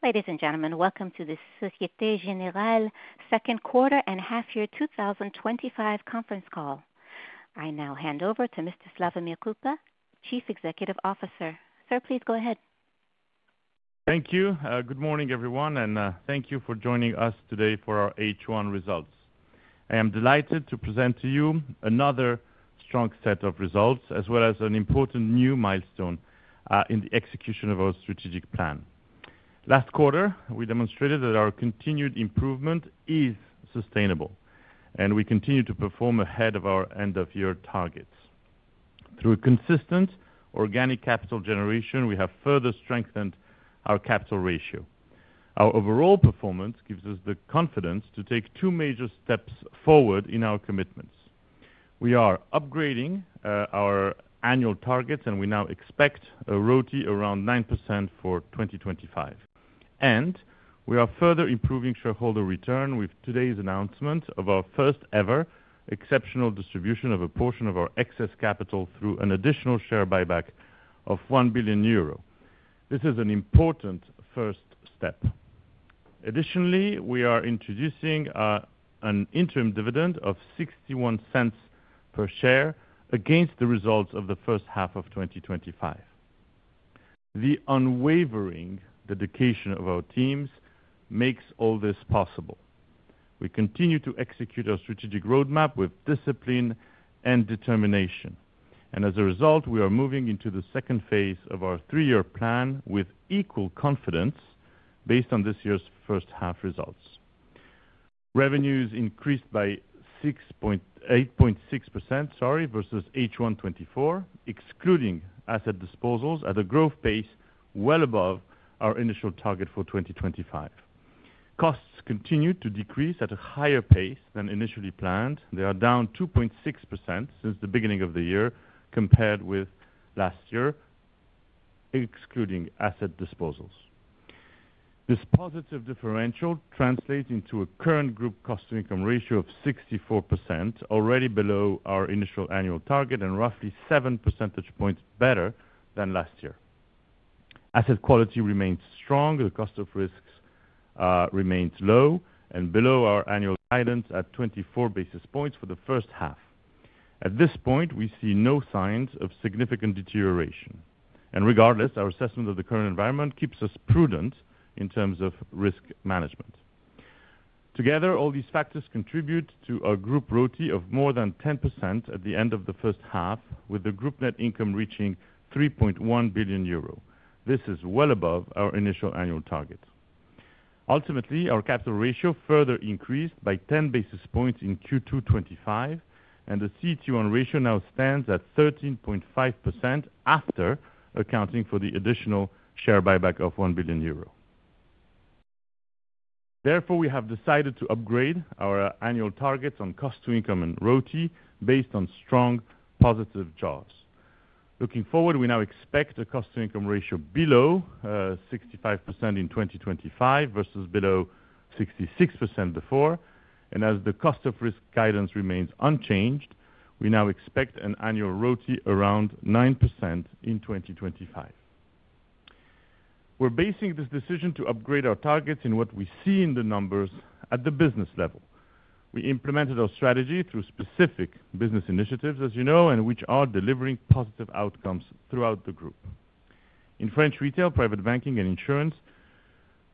Ladies and gentlemen, welcome to the Société Générale Second Quarter and Half-year 2025 Conference Call. I now hand over to Mr. Slawomir Krupa, CEO. Sir, please go ahead. Thank you. Good morning, everyone, and thank you for joining us today for our H1 results. I am delighted to present to you another strong set of results, as well as an important new milestone in the execution of our strategic plan. Last quarter, we demonstrated that our continued improvement is sustainable, and we continue to perform ahead of our end-of-year targets. Through consistent organic capital generation, we have further strengthened our capital ratio. Our overall performance gives us the confidence to take two major steps forward in our commitments. We are upgrading our annual targets, and we now expect a ROTE around 9% for 2025. We are further improving shareholder return with today's announcement of our first-ever exceptional distribution of a portion of our excess capital through an additional share buyback of 1 billion euro. This is an important first step. Additionally, we are introducing an interim dividend of 0.61 per share against the results of the first half of 2025. The unwavering dedication of our teams makes all this possible. We continue to execute our strategic roadmap with discipline and determination, and as a result, we are moving into the second phase of our three-year plan with equal confidence based on this year's first-half results. Revenues increased by 8.6% versus H1 2024, excluding asset disposals, at a growth pace well above our initial target for 2025. Costs continue to decrease at a higher pace than initially planned. They are down 2.6% since the beginning of the year compared with last year, excluding asset disposals. This positive differential translates into a current group cost-to-income ratio of 64%, already below our initial annual target and roughly seven percentage points better than last year. Asset quality remains strong, the cost of risk remains low, and below our annual guidance at 24 basis points for the first half. At this point, we see no signs of significant deterioration, and regardless, our assessment of the current environment keeps us prudent in terms of risk management. Together, all these factors contribute to a group ROTE of more than 10% at the end of the first half, with the group net income reaching 3.1 billion euro. This is well above our initial annual target. Ultimately, our capital ratio further increased by 10 basis points in Q2 2025, and the CET1 ratio now stands at 13.5% after accounting for the additional share buyback of 1 billion euro. Therefore, we have decided to upgrade our annual targets on cost-to-income and ROTE based on strong positive jobs. Looking forward, we now expect a cost-to-income ratio below 65% in 2025 versus below 66% before, and as the cost-of-risk guidance remains unchanged, we now expect an annual ROTE around 9% in 2025. We're basing this decision to upgrade our targets in what we see in the numbers at the business level. We implemented our strategy through specific business initiatives, as you know, which are delivering positive outcomes throughout the group. In French Retail Banking, Private Banking, and Insurance,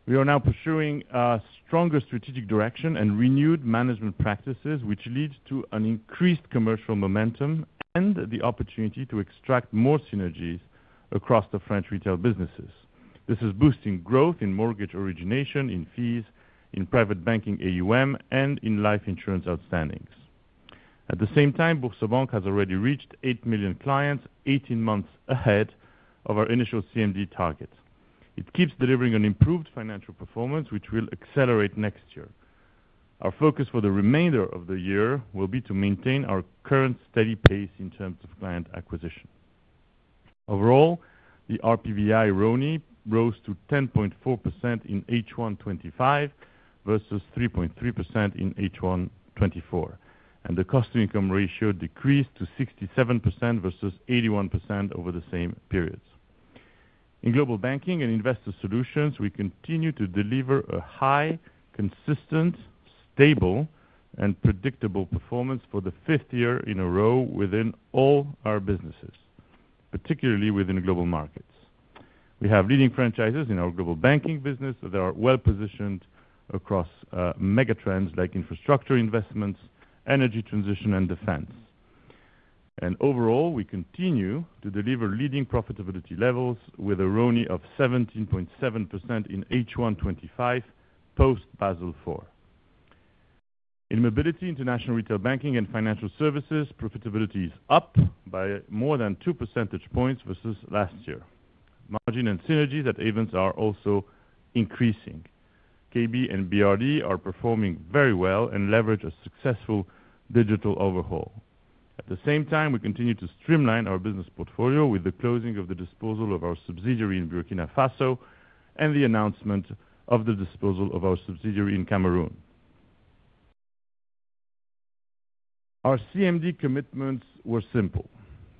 we are now pursuing a stronger strategic direction and renewed management practices, which leads to an increased commercial momentum and the opportunity to extract more synergies across the French retail businesses. This is boosting growth in mortgage origination, in fees, in Private Banking AUM, and in life insurance outstandings. At the same time, BoursoBank has already reached 8 million clients 18 months ahead of our initial CMD target. It keeps delivering an improved financial performance, which will accelerate next year. Our focus for the remainder of the year will be to maintain our current steady pace in terms of client acquisition. Overall, the [RPVI] RONI rose to 10.4% in H1 2025 versus 3.3% in H1 2024, and the cost-to-income ratio decreased to 67% versus 81% over the same periods. In Global Banking and Investor Solutions, we continue to deliver a high, consistent, stable, and predictable performance for their fifth year in a row within all our businesses, particularly within Global Markets. We have leading franchises in our Global Banking business that are well positioned across megatrends like infrastructure investments, energy transition, and defense. Overall, we continue to deliver leading profitability levels with a RONI of 17.7% in H1 2025 post Basel IV. In Mobility, International Retail Banking and Financial Services, profitability is up by more than 2 percentage points versus last year. Margin and synergies at Ayvens are also increasing. KB and BRD are performing very well and leverage a successful digital overhaul. At the same time, we continue to streamline our business portfolio with the closing of the disposal of our subsidiary in Burkina Faso and the announcement of the disposal of our subsidiary in Cameroon. Our CMD commitments were simple: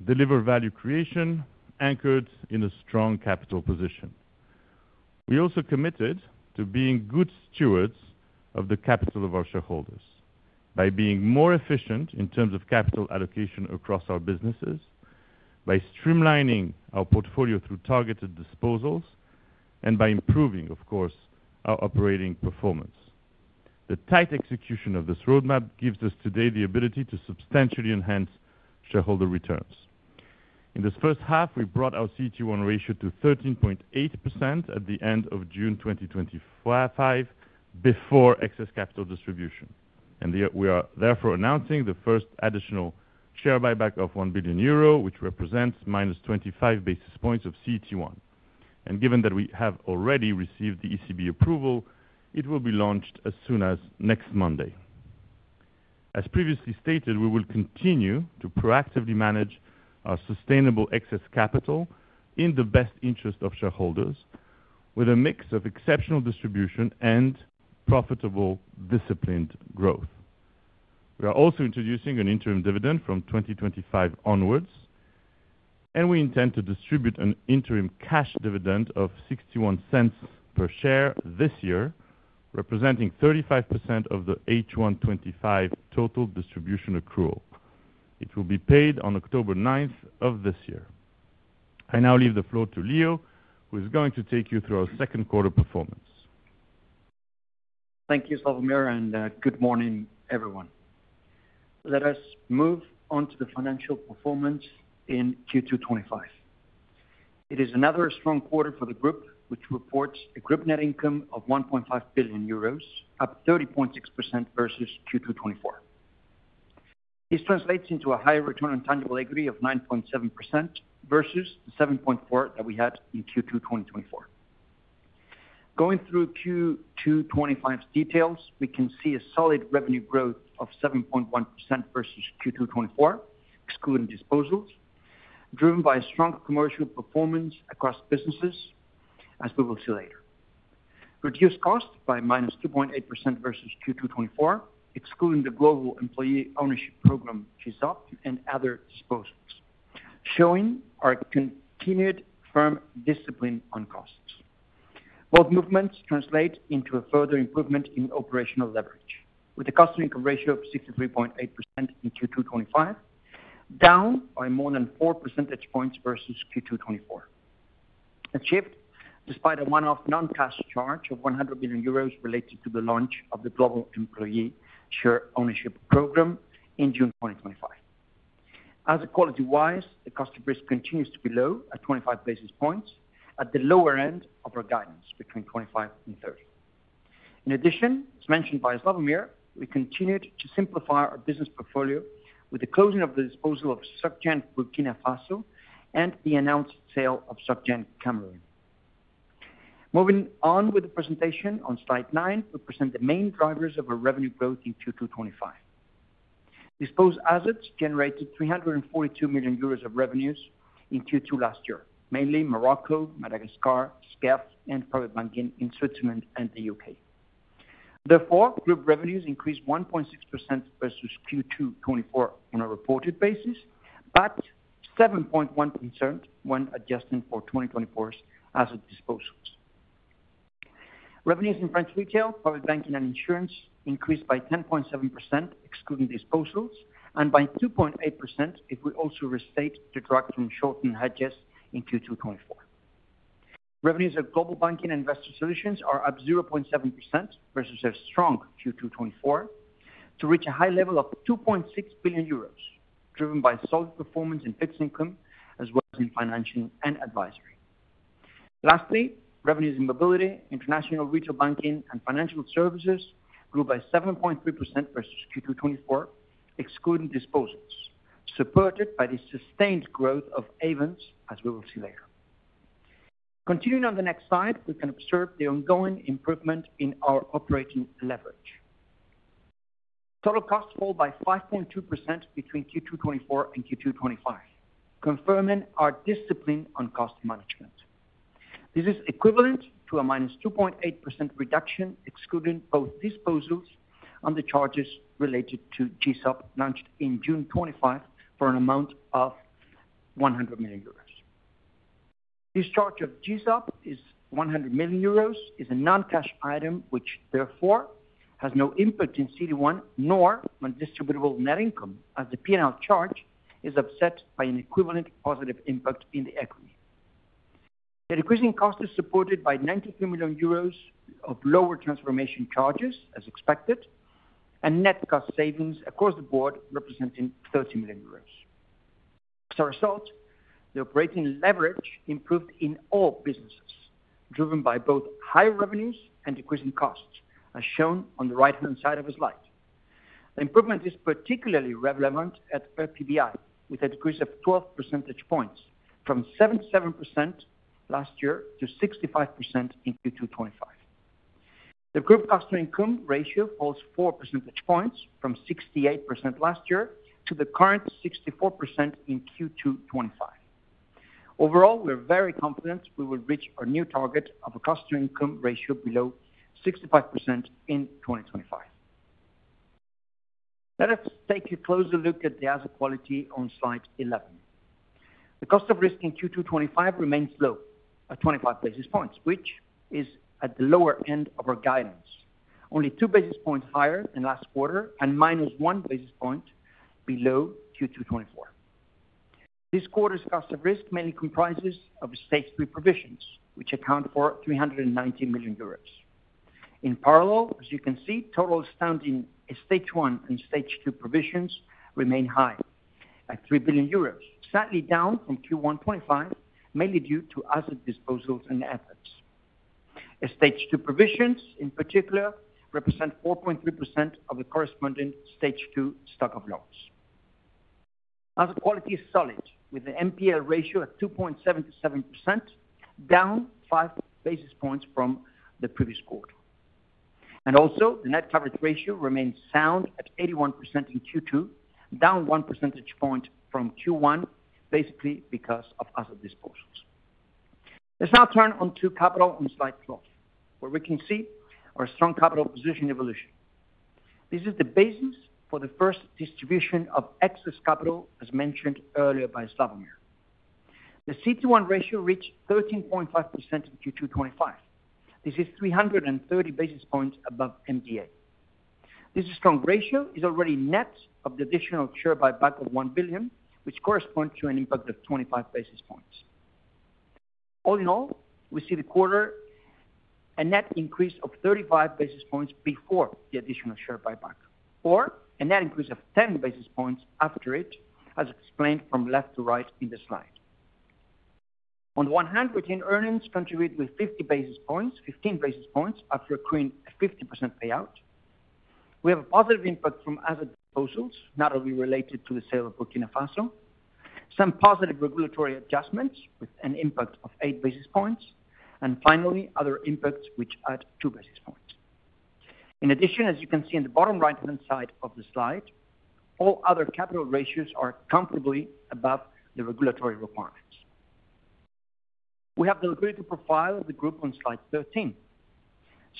deliver value creation anchored in a strong capital position. We also committed to being good stewards of the capital of our shareholders by being more efficient in terms of capital allocation across our businesses, by streamlining our portfolio through targeted disposals, and by improving, of course, our operating performance. The tight execution of this roadmap gives us today the ability to substantially enhance shareholder returns. In this first half, we brought our CET1 ratio to 13.8% at the end of June 2025 before excess capital distribution, and we are therefore announcing the first additional share buyback of 1 billion euro, which represents minus 25 basis points of CET1. Given that we have already received the ECB approval, it will be launched as soon as next Monday. As previously stated, we will continue to proactively manage our sustainable excess capital in the best interest of shareholders with a mix of exceptional distribution and profitable disciplined growth. We are also introducing an interim dividend from 2025 onwards. We intend to distribute an interim cash dividend of 0.61 per share this year, representing 35% of the H1 2025 total distribution accrual. It will be paid on October 9 of this year. I now leave the floor to Leo, who is going to take you through our second quarter performance. Thank you, Slawomir, and good morning, everyone. Let us move on to the financial performance in Q2 2025. It is another strong quarter for the group, which reports a group net income of 1.5 billion euros, up 30.6% versus Q2 2024. This translates into a higher return on tangible equity of 9.7% versus the 7.4% that we had in Q2 2024. Going through Q2 2025's details, we can see a solid revenue growth of 7.1% versus Q2 2024, excluding disposals, driven by strong commercial performance across businesses, as we will see later. Reduced costs by -2.8% versus Q2 2024, excluding the global employee ownership program GSOP and other disposals, showing our continued firm discipline on costs. Both movements translate into a further improvement in operational leverage, with a cost-to-income ratio of 63.8% in Q2 2025, down by more than 4 percentage points versus Q2 2024. A shift despite a one-off non-cash charge of 100 million euros related to the launch of the global employee share ownership program in June 2025. As a quality-wise, the cost of risk continues to be low at 25 basis points, at the lower end of our guidance between 25 and 30. In addition, as mentioned by Slawomir, we continued to simplify our business portfolio with the closing of the disposal of SocGen Burkina Faso and the announced sale of SocGen Cameroon. Moving on with the presentation on slide nine, we present the main drivers of our revenue growth in Q2 2025. Disposed assets generated 342 million euros of revenues in Q2 last year, mainly Morocco, Madagascar, SCEF, and private banking in Switzerland and the UK. Therefore, group revenues increased 1.6% versus Q2 2024 on a reported basis, but 7.1% when adjusting for 2024's asset disposals. Revenues in French retail, private banking, and insurance increased by 10.7%, excluding disposals, and by 2.8% if we also restate the drag from Scholz and hedges in Q2 2024. Revenues of global banking and investor solutions are up 0.7% versus a strong Q2 2024 to reach a high level of 2.6 billion euros, driven by solid performance in fixed income as well as in financing and advisory. Lastly, revenues in mobility, international retail banking, and financial services grew by 7.3% versus Q2 2024, excluding disposals, supported by the sustained growth of Ayvens, as we will see later. Continuing on the next slide, we can observe the ongoing improvement in our operating leverage. Total cost fall by 5.2% between Q2 2024 and Q2 2025, confirming our discipline on cost management. This is equivalent to a -2.8% reduction, excluding both disposals and the charges related to GSOP launched in June 2025 for an amount of 100 million euros. This charge of GSOP is 100 million euros, is a non-cash item which therefore has no impact in CET1 nor on distributable net income as the P&L charge is offset by an equivalent positive impact in the equity. The decreasing cost is supported by 93 million euros of lower transformation charges, as expected, and net cost savings across the board representing 30 million euros. As a result, the operating leverage improved in all businesses, driven by both high revenues and decreasing costs, as shown on the right-hand side of the slide. The improvement is particularly relevant at RPBI, with a decrease of 12 percentage points from 77% last year to 65% in Q2 2025. The group cost-to-income ratio falls 4 percentage points from 68% last year to the current 64% in Q2 2025. Overall, we are very confident we will reach our new target of a cost-to-income ratio below 65% in 2025. Let us take a closer look at the asset quality on slide 11. The cost of risk in Q2 2025 remains low at 25 basis points, which is at the lower end of our guidance, only 2 basis points higher than last quarter and -1 basis point below Q2 2024. This quarter's cost of risk mainly comprises stage 3 provisions, which account for 390 million euros. In parallel, as you can see, total standing stage 1 and stage 2 provisions remain high at 3 billion euros, slightly down from Q1 2025, mainly due to asset disposals and efforts. Stage 2 provisions, in particular, represent 4.3% of the corresponding stage 2 stock of loans. Asset quality is solid, with an NPL ratio at 2.77%, down 5 basis points from the previous quarter. Also, the net coverage ratio remains sound at 81% in Q2, down 1 percentage point from Q1, basically because of asset disposals. Let's now turn to capital on slide 12, where we can see our strong capital position evolution. This is the basis for the first distribution of excess capital, as mentioned earlier by Slawomir. The CET1 ratio reached 13.5% in Q2 2025. This is 330 basis points above MDA. This strong ratio is already net of the additional share buyback of 1 billion, which corresponds to an impact of 25 basis points. All in all, we see the quarter, a net increase of 35 basis points before the additional share buyback, or a net increase of 10 basis points after it, as explained from left to right in the slide. On the one hand, retained earnings contribute with 50 basis points, 15 basis points after accruing a 50% payout. We have a positive impact from asset disposals, not only related to the sale of Burkina Faso, some positive regulatory adjustments with an impact of 8 basis points, and finally, other impacts which add 2 basis points. In addition, as you can see in the bottom right-hand side of the slide, all other capital ratios are comfortably above the regulatory requirements. We have the liquidity profile of the group on slide 13.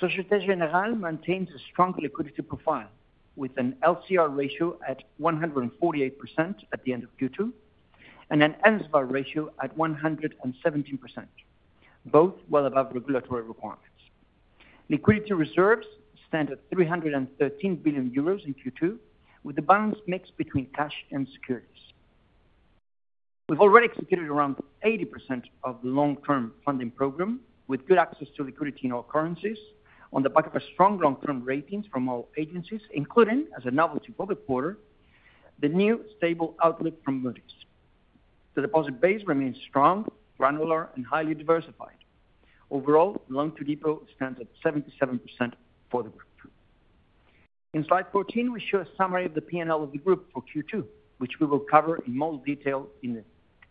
Société Générale maintains a strong liquidity profile with an LCR ratio at 148% at the end of Q2 and an LCR ratio at 117%, both well above regulatory requirements. Liquidity reserves stand at 313 billion euros in Q2, with a balanced mix between cash and securities. We've already executed around 80% of the long-term funding program with good access to liquidity in all currencies on the back of a strong long-term rating from all agencies, including, as a novelty for the quarter, the new stable outlook from Moody's. The deposit base remains strong, granular, and highly diversified. Overall, the long-term depot stands at 77% for the group. In slide 14, we show a summary of the P&L of the group for Q2, which we will cover in more detail in the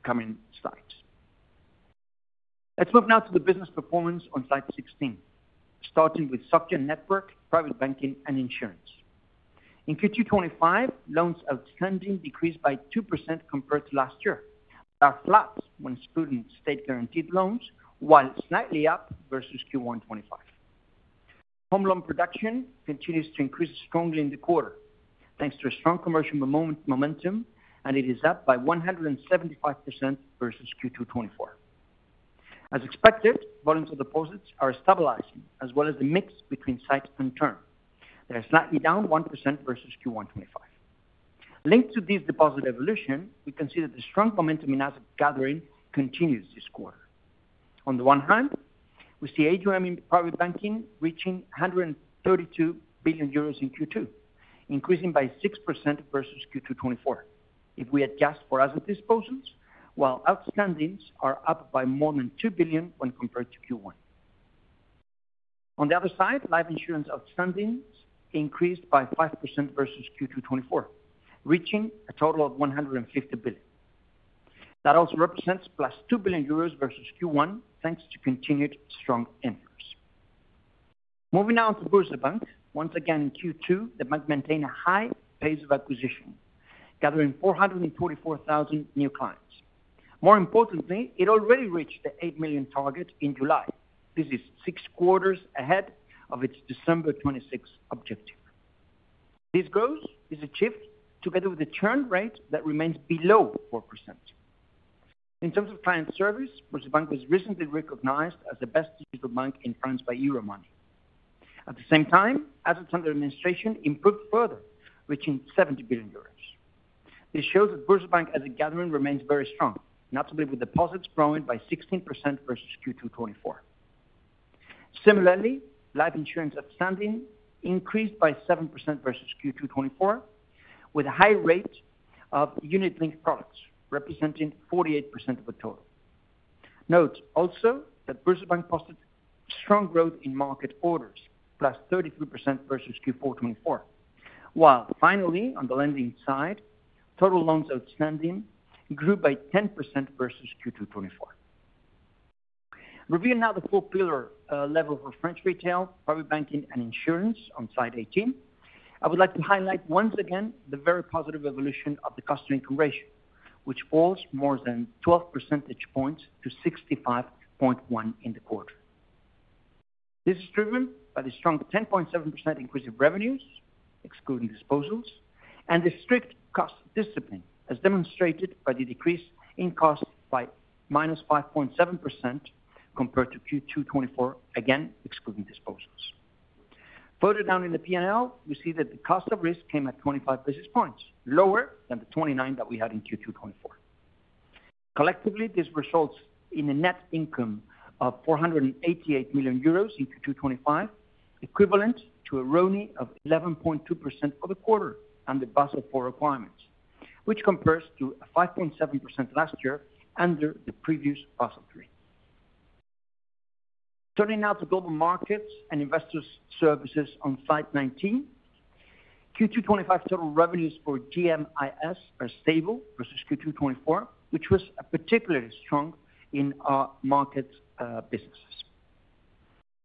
coming slides. Let's move now to the business performance on slide 16, starting with SocGen Network, Private Banking, and Insurance. In Q2 2025, loans outstanding decreased by 2% compared to last year, are flat when excluding state-guaranteed loans, while slightly up versus Q1 2025. Home loan production continues to increase strongly in the quarter thanks to a strong commercial momentum, and it is up by 175% versus Q2 2024. As expected, voluntary deposits are stabilizing, as well as the mix between sight and term. They are slightly down 1% versus Q1 2025. Linked to this deposit evolution, we can see that the strong momentum in asset gathering continues this quarter. On the one hand, we see AUM in Private Banking reaching 132 billion euros in Q2, increasing by 6% versus Q2 2024 if we adjust for asset disposals, while outstandings are up by more than 2 billion when compared to Q1. On the other side, life insurance outstandings increased by 5% versus Q2 2024, reaching a total of 150 billion. That also represents plus 2 billion euros versus Q1, thanks to continued strong interest. Moving now to BoursoBank. Once again, in Q2, the bank maintained a high pace of acquisition, gathering 444,000 new clients. More importantly, it already reached the 8 million target in July. This is six quarters ahead of its December 2026 objective. This growth is achieved together with a churn rate that remains below 4%. In terms of client service, BoursoBank was recently recognized as the best digital bank in France by Euromoney. At the same time, assets under administration improved further, reaching 70 billion euros. This shows that BoursoBank as a gathering remains very strong, notably with deposits growing by 16% versus Q2 2024. Similarly, life insurance outstanding increased by 7% versus Q2 2024, with a high rate of unit-linked products representing 48% of the total. Note also that BoursoBank posted strong growth in market orders, plus 33% versus Q4 2024, while finally, on the lending side, total loans outstanding grew by 10% versus Q2 2024. Reviewing now the four-pillar level for French Retail Banking, Private Banking, and Insurance on slide 18, I would like to highlight once again the very positive evolution of the cost-to-income ratio, which falls more than 12 percentage points to 65.1% in the quarter. This is driven by the strong 10.7% increase in revenues, excluding disposals, and the strict cost discipline, as demonstrated by the decrease in costs by minus 5.7% compared to Q2 2024, again excluding disposals. Further down in the P&L, we see that the cost of risk came at 25 basis points, lower than the 29 that we had in Q2 2024. Collectively, this results in a net income of 488 million euros in Q2 2025, equivalent to a return on tangible equity (ROTE) of 11.2% for the quarter under Basel IV requirements, which compares to 5.7% last year under the previous Basel III. Turning now to Global Banking and Investor Solutions on slide 19. Q2 2025 total revenues for GMIS are stable versus Q2 2024, which was particularly strong in our market businesses.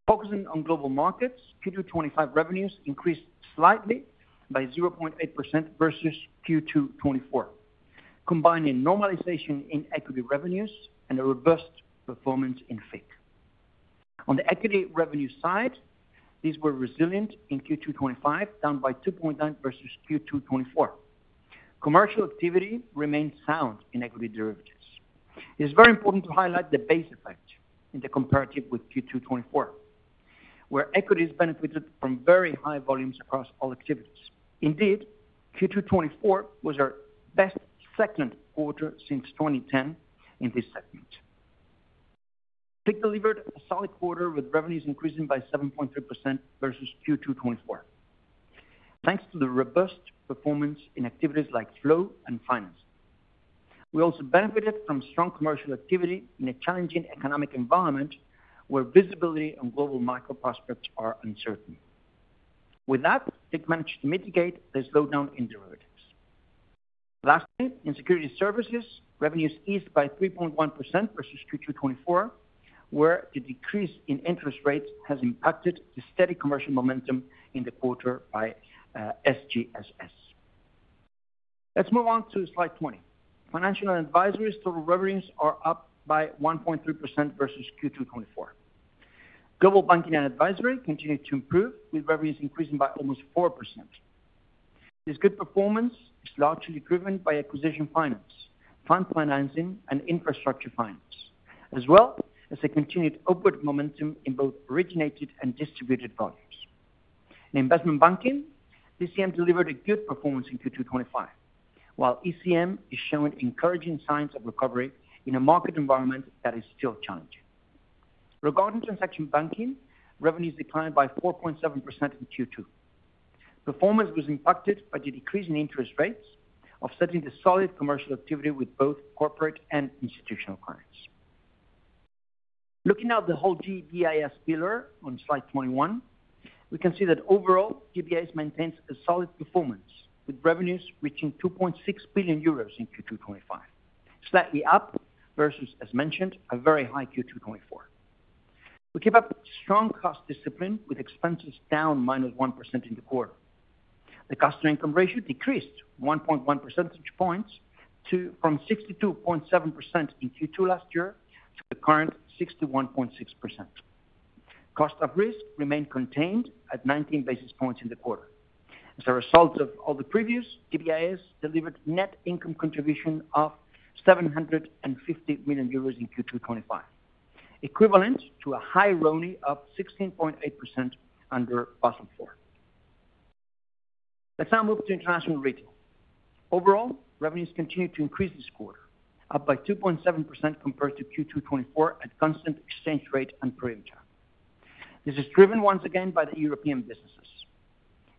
Focusing on global markets, Q2 2025 revenues increased slightly by 0.8% versus Q2 2024, combining normalization in equity revenues and a reversed performance in FIC. On the equity revenue side, these were resilient in Q2 2025, down by 2.9% versus Q2 2024. Commercial activity remained sound in equity derivatives. It is very important to highlight the base effect in the comparative with Q2 2024, where equities benefited from very high volumes across all activities. Indeed, Q2 2024 was our best second quarter since 2010 in this segment. FIC delivered a solid quarter with revenues increasing by 7.3% versus Q2 2024, thanks to the robust performance in activities like flow and finance. We also benefited from strong commercial activity in a challenging economic environment where visibility on global macro prospects is uncertain. With that, FIC managed to mitigate the slowdown in derivatives. Lastly, in Securities Services, revenues eased by 3.1% versus Q2 2024, where the decrease in interest rates has impacted the steady commercial momentum in the quarter by SGSS. Let's move on to slide 20. Financial and Advisory total revenues are up by 1.3% versus Q2 2024. Global Banking and Advisory continued to improve, with revenues increasing by almost 4%. This good performance is largely driven by acquisition finance, fund financing, and infrastructure finance, as well as a continued upward momentum in both originated and distributed volumes. In Investment Banking, DCM delivered a good performance in Q2 2025, while ECM is showing encouraging signs of recovery in a market environment that is still challenging. Regarding Transaction Banking, revenues declined by 4.7% in Q2. Performance was impacted by the decrease in interest rates, offsetting the solid commercial activity with both corporate and institutional clients. Looking at the whole GBIS pillar on slide 21, we can see that overall, GBIS maintains a solid performance, with revenues reaching 2.6 billion euros in Q2 2025, slightly up versus, as mentioned, a very high Q2 2024. We keep up strong cost discipline with expenses down minus 1% in the quarter. The cost-to-income ratio decreased 1.1 percentage points from 62.7% in Q2 last year to the current 61.6%. Cost of risk remained contained at 19 basis points in the quarter. As a result of all the previous, GBIS delivered net income contribution of 750 million euros in Q2 2025, equivalent to a high RONI of 16.8% under Basel IV. Let's now move to International Retail. Overall, revenues continue to increase this quarter, up by 2.7% compared to Q2 2024 at constant exchange rate and perimeter. This is driven once again by the European businesses.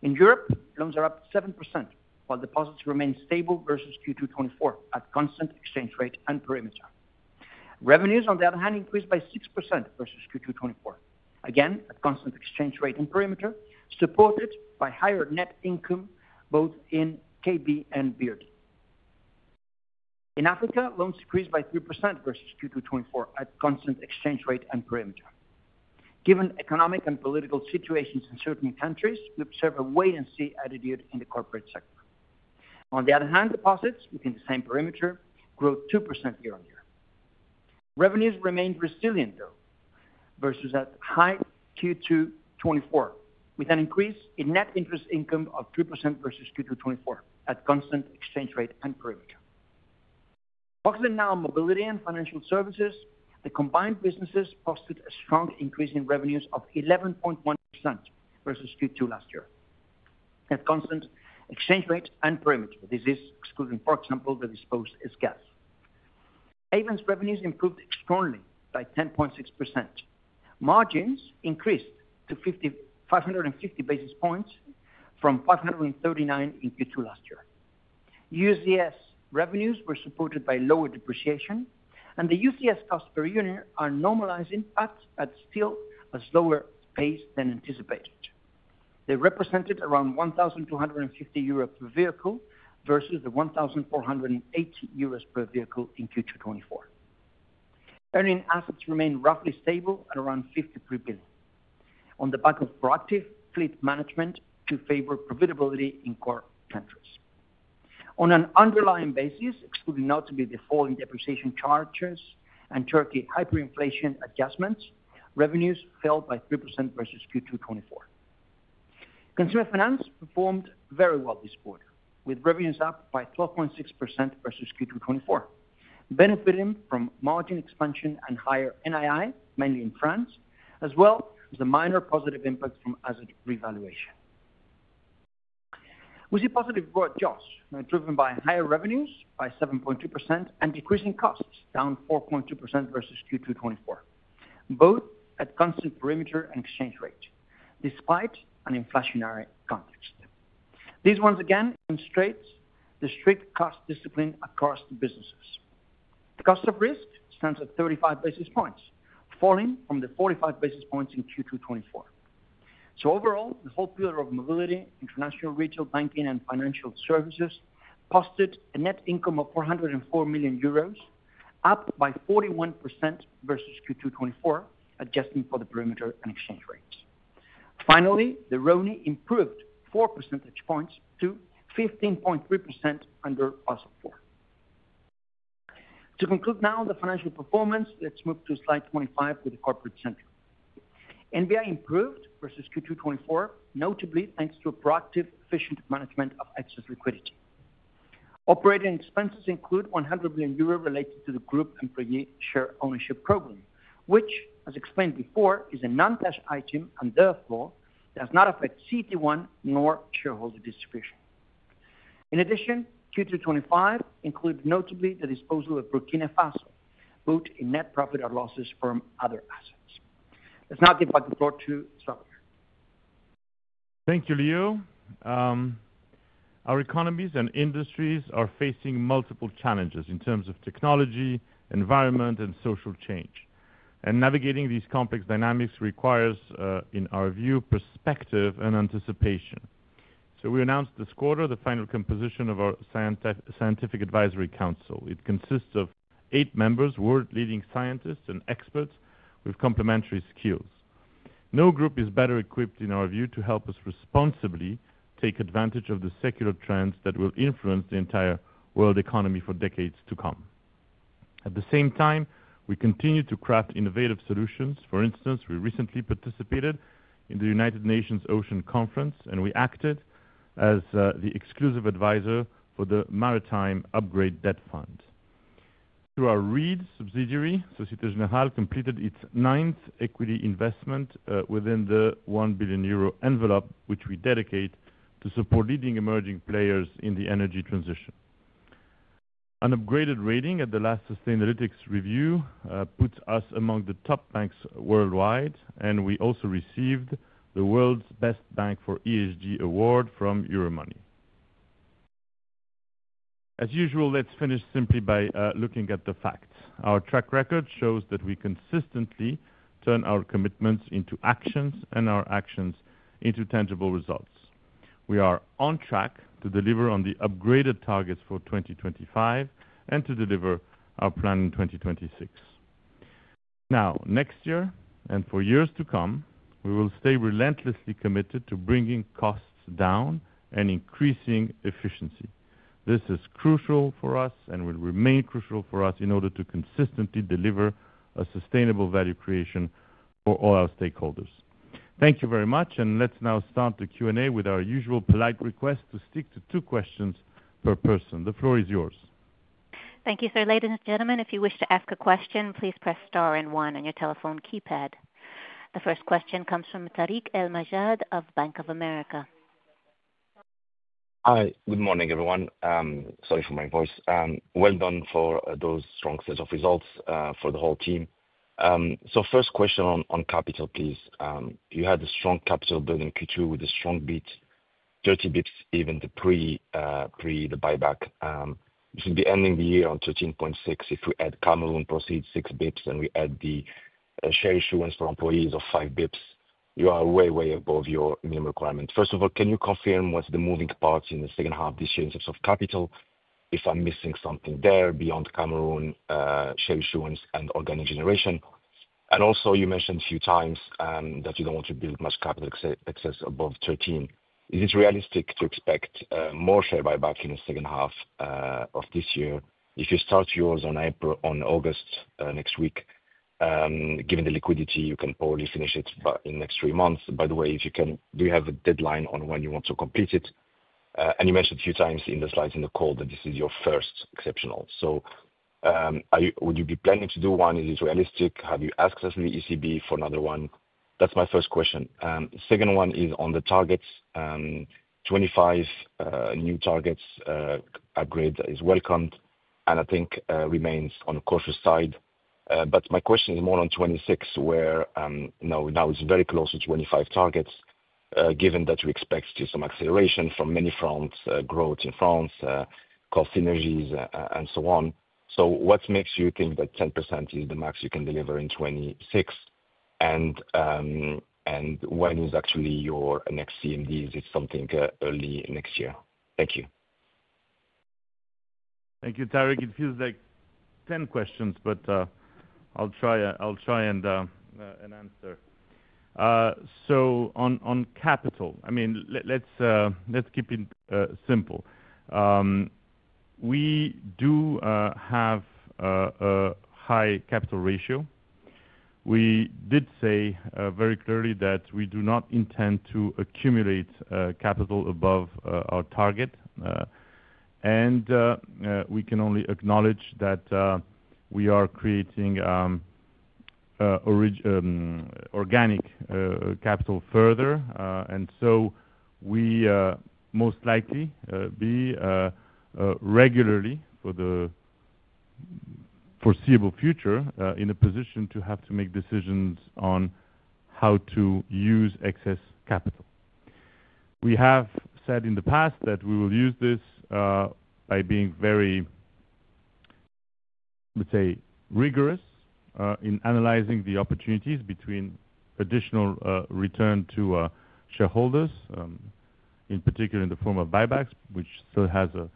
In Europe, loans are up 7%, while deposits remain stable versus Q2 2024 at constant exchange rate and perimeter. Revenues, on the other hand, increased by 6% versus Q2 2024, again at constant exchange rate and perimeter, supported by higher net income both in KB and BRD. In Africa, loans decreased by 3% versus Q2 2024 at constant exchange rate and perimeter. Given economic and political situations in certain countries, we observe a wait-and-see attitude in the corporate sector. On the other hand, deposits within the same perimeter grew 2% year on year. Revenues remained resilient, though, versus that high Q2 2024, with an increase in net interest income of 3% versus Q2 2024 at constant exchange rate and perimeter. Focusing now on Mobility and Financial Services, the combined businesses posted a strong increase in revenues of 11.1% versus Q2 last year. At constant exchange rate and perimeter, this is excluding, for example, the disposed as gas. Haven's revenues improved strongly by 10.6%. Margins increased to 550 basis points from 539 in Q2 last year. UCS revenues were supported by lower depreciation, and the UCS cost per unit are normalizing, but still at a slower pace than anticipated. They represented around 1,250 euros per vehicle versus the 1,480 euros per vehicle in Q2 2024. Earning assets remained roughly stable at around 53 billion, on the back of proactive fleet management to favor profitability in core countries. On an underlying basis, excluding notably the fall in depreciation charges and Turkey hyperinflation adjustments, revenues fell by 3% versus Q2 2024. Consumer finance performed very well this quarter, with revenues up by 12.6% versus Q2 2024, benefiting from margin expansion and higher NII, mainly in France, as well as the minor positive impact from asset revaluation. We see positive growth, Josh, driven by higher revenues by 7.2% and decreasing costs, down 4.2% versus Q2 2024, both at constant perimeter and exchange rate, despite an inflationary context. This, once again, illustrates the strict cost discipline across the businesses. The cost of risk stands at 35 basis points, falling from the 45 basis points in Q2 2024. Overall, the whole pillar of Mobility, International Retail Banking, and Financial Services posted a net income of 404 million euros, up by 41% versus Q2 2024, adjusting for the perimeter and exchange rates. Finally, the RONI improved 4 percentage points to 15.3% under Basel IV. To conclude now the financial performance, let's move to slide 25 with the Corporate Center. NBI improved versus Q2 2024, notably thanks to a proactive, efficient management of excess liquidity. Operating expenses include 100 million euro related to the group employee share ownership program, which, as explained before, is a non-cash item and therefore does not affect CET1 nor shareholder distribution. In addition, Q2 2025 included notably the disposal of Burkina Faso, both in net profit or losses from other assets. Let's now give back the floor to Slawomir. Thank you, Leo. Our economies and industries are facing multiple challenges in terms of technology, environment, and social change. Navigating these complex dynamics requires, in our view, perspective and anticipation. We announced this quarter the final composition of our Scientific Advisory Council. It consists of eight members, world-leading scientists and experts with complementary skills. No group is better equipped, in our view, to help us responsibly take advantage of the secular trends that will influence the entire world economy for decades to come. At the same time, we continue to craft innovative solutions. For instance, we recently participated in the United Nations Ocean Conference, and we acted as the exclusive advisor for the Maritime Upgrade Debt Fund. Through our REIT subsidiary, Société Générale completed its ninth equity investment within the 1 billion euro envelope, which we dedicate to support leading emerging players in the energy transition. An upgraded rating at the last Sustainalytics review puts us among the top banks worldwide, and we also received the World's Best Bank for ESG award from Euromoney. As usual, let's finish simply by looking at the facts. Our track record shows that we consistently turn our commitments into actions and our actions into tangible results. We are on track to deliver on the upgraded targets for 2025 and to deliver our plan in 2026. Next year and for years to come, we will stay relentlessly committed to bringing costs down and increasing efficiency. This is crucial for us and will remain crucial for us in order to consistently deliver a sustainable value creation for all our stakeholders. Thank you very much, and let's now start the Q&A with our usual polite request to stick to two questions per person. The floor is yours. Thank you, sir. Ladies and gentlemen, if you wish to ask a question, please press star and one on your telephone keypad. The first question comes from Tarik El Mejjad of Bank of America. Hi. Good morning, everyone. Sorry for my voice. Well done for those strong sets of results for the whole team. First question on capital, please. You had a strong capital building Q2 with a strong beat, 30 bps even the pre-buyback. You should be ending the year on 13.6%. If we add Cameroon proceeds, 6 bps, and we add the share issuance for employees of 5 bps, you are way, way above your minimum requirement. First of all, can you confirm what's the moving parts in the second half this year in terms of capital, if I'm missing something there beyond Cameroon share issuance and organic generation? Also, you mentioned a few times that you don't want to build much capital excess above 13. Is it realistic to expect more share buyback in the second half of this year if you start yours on August next week? Given the liquidity, you can probably finish it in the next three months. By the way, do you have a deadline on when you want to complete it? You mentioned a few times in the slides in the call that this is your first exceptional. Would you be planning to do one? Is it realistic? Have you accessed the ECB for another one? That's my first question. The second one is on the targets. 2025 new targets upgrade is welcomed, and I think remains on a cautious side. My question is more on 2026, where now it's very close to 2025 targets, given that we expect some acceleration from many fronts, growth in France, cost synergies, and so on. What makes you think that 10% is the max you can deliver in 2026? When is actually your next CMD? Is it something early next year? Thank you. Thank you, Tarik. It feels like 10 questions, but I'll try and answer. On capital, let's keep it simple. We do have a high capital ratio. We did say very clearly that we do not intend to accumulate capital above our target. We can only acknowledge that we are creating organic capital further, and so we most likely be regularly, for the foreseeable future, in a position to have to make decisions on how to use excess capital. We have said in the past that we will use this by being very, let's say, rigorous in analyzing the opportunities between additional return to shareholders, in particular in the form of buybacks, which still has a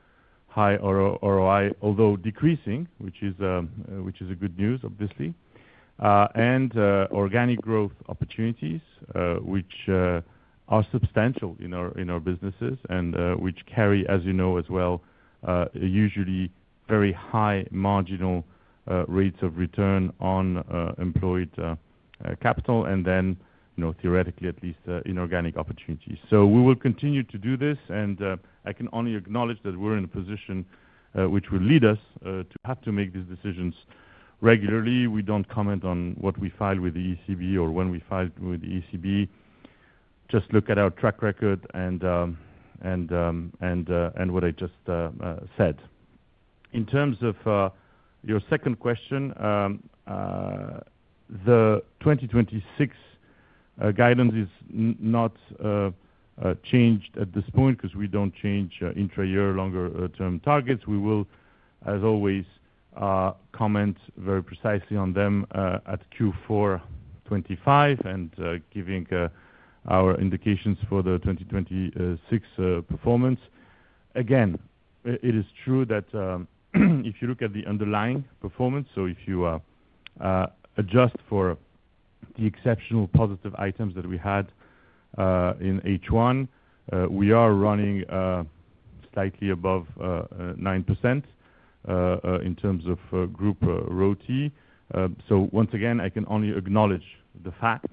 high ROI, although decreasing, which is good news, obviously, and organic growth opportunities, which are substantial in our businesses and which carry, as you know as well, usually very high marginal rates of return on employed capital, and then theoretically at least inorganic opportunities. We will continue to do this, and I can only acknowledge that we're in a position which will lead us to have to make these decisions regularly. We don't comment on what we filed with the ECB or when we filed with the ECB. Just look at our track record and what I just said. In terms of your second question, the 2026 guidance is not. Changed at this point because we don't change intra-year longer-term targets. We will, as always, comment very precisely on them at Q4 2025 and give our indications for the 2026 performance. Again, it is true that if you look at the underlying performance, so if you adjust for the exceptional positive items that we had in H1, we are running slightly above 9% in terms of group ROTE. Once again, I can only acknowledge the fact,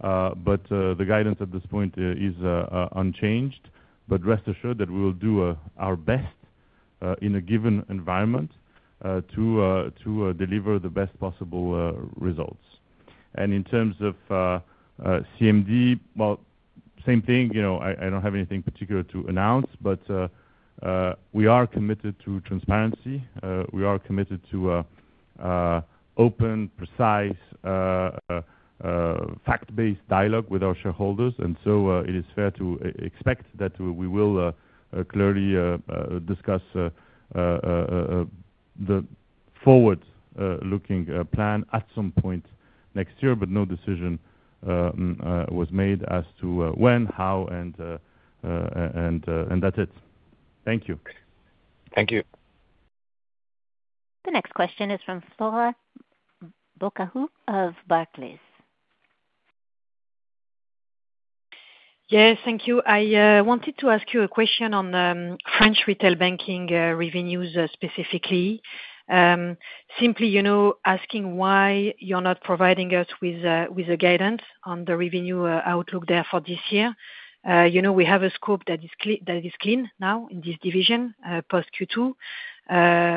but the guidance at this point is unchanged. Rest assured that we will do our best in a given environment to deliver the best possible results. In terms of CMD, I don't have anything particular to announce. We are committed to transparency. We are committed to open, precise, fact-based dialogue with our shareholders. It is fair to expect that we will clearly discuss the forward-looking plan at some point next year, but no decision was made as to when, how, and that's it. Thank you. Thank you. The next question is from of Barclays. Yes, thank you. I wanted to ask you a question on French Retail Banking revenues specifically. Simply asking why you're not providing us with a guidance on the revenue outlook there for this year. We have a scope that is clean now in this division post Q2.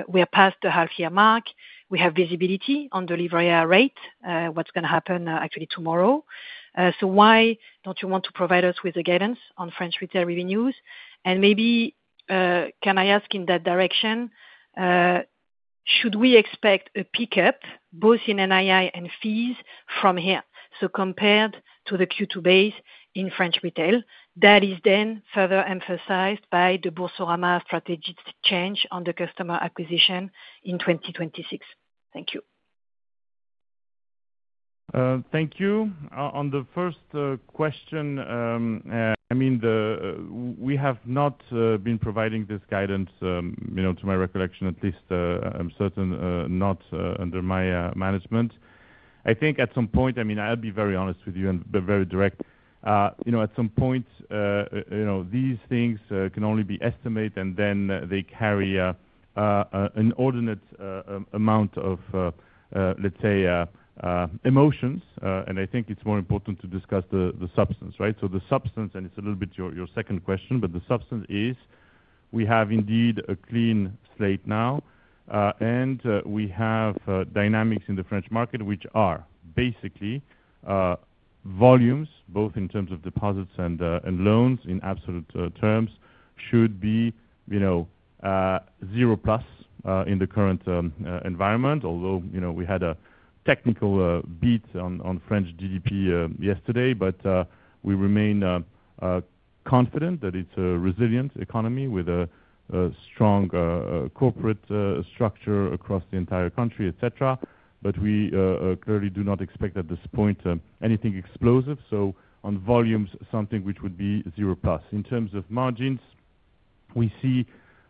We are past the half-year mark. We have visibility on the livreur rate, what's going to happen actually tomorrow. Why don't you want to provide us with a guidance on French retail revenues? Maybe, can I ask in that direction, should we expect a pickup both in NII and fees from here? Compared to the Q2 base in French retail, that is then further emphasized by the Boursorama strategic change on the customer acquisition in 2026. Thank you. Thank you. On the first question, I mean, we have not been providing this guidance. To my recollection, at least I'm certain not under my management. I think at some point, I'll be very honest with you and be very direct. At some point, these things can only be estimated, and then they carry an inordinate amount of, let's say, emotions. I think it's more important to discuss the substance, right? The substance, and it's a little bit your second question, but the substance is we have indeed a clean slate now. We have dynamics in the French market, which are basically volumes, both in terms of deposits and loans in absolute terms, should be. Zero plus in the current environment, although we had a technical beat on French GDP yesterday, we remain confident that it's a resilient economy with a strong corporate structure across the entire country, etc. We clearly do not expect at this point anything explosive. On volumes, something which would be zero plus. In terms of margins, we see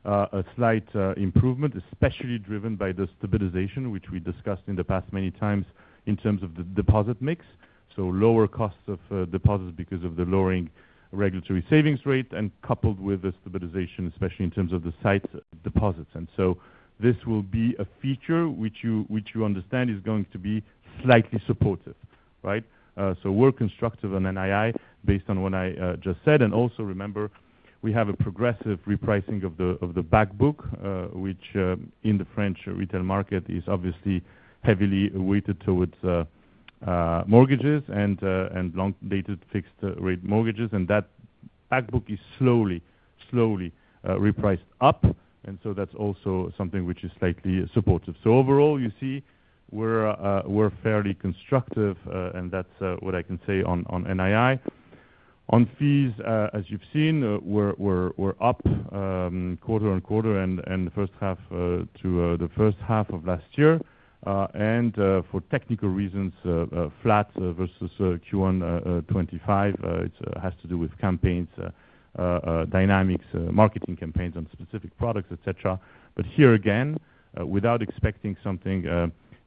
a slight improvement, especially driven by the stabilization, which we discussed in the past many times in terms of the deposit mix. Lower costs of deposits because of the lowering regulatory savings rate and coupled with the stabilization, especially in terms of the sight deposits. This will be a feature which you understand is going to be slightly supportive, right? We're constructive on NII based on what I just said. Also remember, we have a progressive repricing of the backbook, which in the French retail market is obviously heavily weighted towards mortgages and long-dated fixed-rate mortgages. That backbook is slowly repriced up, and that's also something which is slightly supportive. Overall, you see, we're fairly constructive, and that's what I can say on NII. On fees, as you've seen, we're up quarter on quarter and the first half to the first half of last year. For technical reasons, flat versus Q1 2025. It has to do with campaigns, dynamics, marketing campaigns on specific products, etc. Here again, without expecting something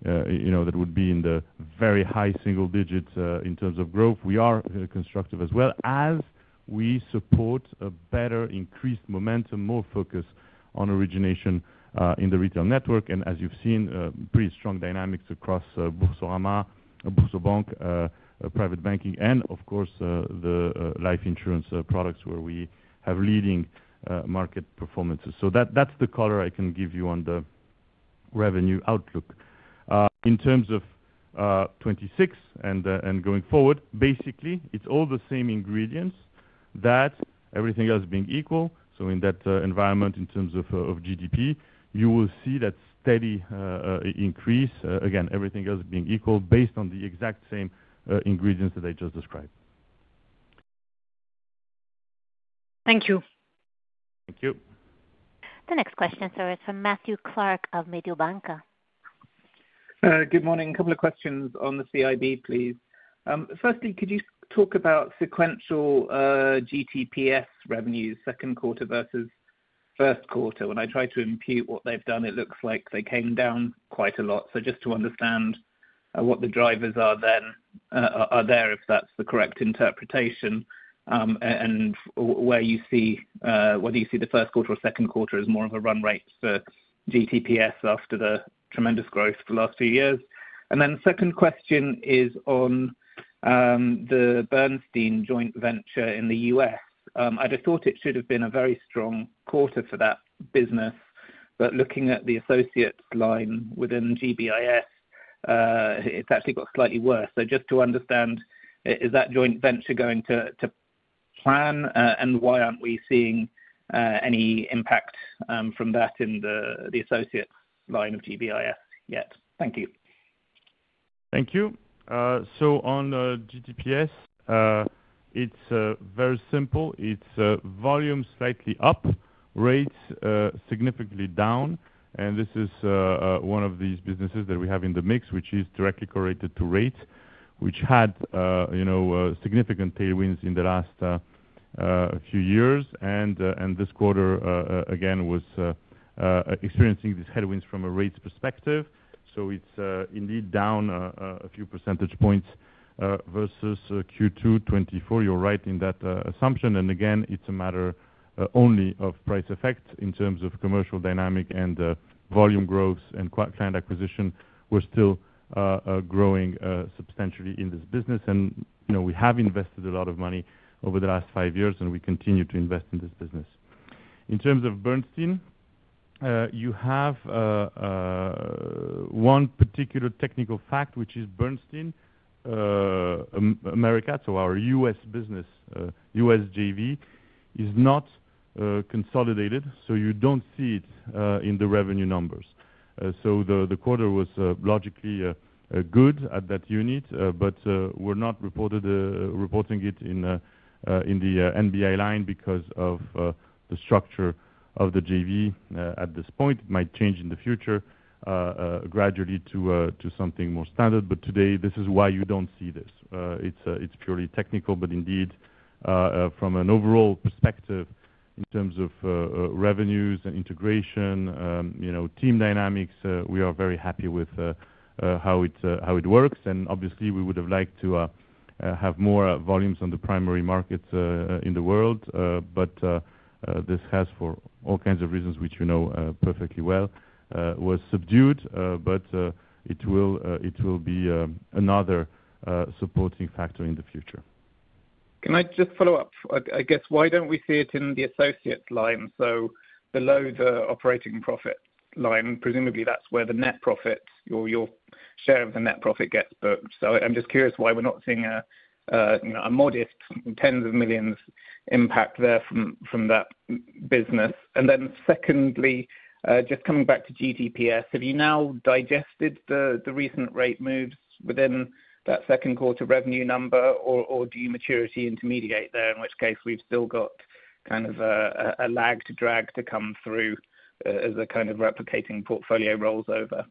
that would be in the very high single digits in terms of growth, we are constructive as well as we support a better increased momentum, more focus on origination in the retail network. As you've seen, pretty strong dynamics across Boursorama, BoursoBank, Private Banking, and of course, the life insurance products where we have leading market performances. That's the color I can give you on the revenue outlook. In terms of 2026 and going forward, basically, it's all the same ingredients that everything else being equal. In that environment, in terms of GDP, you will see that steady increase. Again, everything else being equal based on the exact same ingredients that I just described. Thank you. Thank you. The next question, sir, is from Matthew Clark of Mediobanca. Good morning. A couple of questions on the CIB, please. Firstly, could you talk about sequential GTPS revenues, second quarter versus first quarter? When I try to impute what they've done, it looks like they came down quite a lot. Just to understand. What the drivers are there, if that's the correct interpretation. Whether you see the first quarter or second quarter as more of a run rate for GTPS after the tremendous growth for the last few years. The second question is on the Bernstein joint venture in the U.S. I'd have thought it should have been a very strong quarter for that business, but looking at the associates line within GBIS, it's actually got slightly worse. Just to understand, is that joint venture going to plan, and why aren't we seeing any impact from that in the associates line of GBIS yet? Thank you. Thank you. On GTPS, it's very simple. It's volume slightly up, rates significantly down. This is one of these businesses that we have in the mix, which is directly correlated to rates, which had significant tailwinds in the last few years. This quarter, again, was experiencing these headwinds from a rates perspective. It's indeed down a few percentage points versus Q2 2024. You're right in that assumption. It's a matter only of price effect. In terms of commercial dynamic and volume growth and client acquisition, we're still growing substantially in this business. We have invested a lot of money over the last five years, and we continue to invest in this business. In terms of Bernstein, you have one particular technical fact, which is Bernstein America, so our U.S. business, U.S. JV, is not consolidated. You don't see it in the revenue numbers. The quarter was logically good at that unit, but we're not reporting it in the NBI line because of the structure of the JV at this point. It might change in the future gradually to something more standard. Today, this is why you don't see this. It's purely technical, but indeed, from an overall perspective in terms of revenues and integration, team dynamics, we are very happy with how it works. Obviously, we would have liked to have more volumes on the primary market in the world. This has, for all kinds of reasons which you know perfectly well, was subdued. It will be another supporting factor in the future. Can I just follow up? I guess, why don't we see it in the associates line? Below the operating profit line, presumably that's where the net profit, your share of the net profit gets booked. I'm just curious why we're not seeing a modest tens of millions impact there from that business. And then secondly, just coming back to GTPS, have you now digested the recent rate moves within that second quarter revenue number, or do you maturity intermediate there, in which case we've still got kind of a lag to drag to come through as a kind of replicating portfolio rolls over?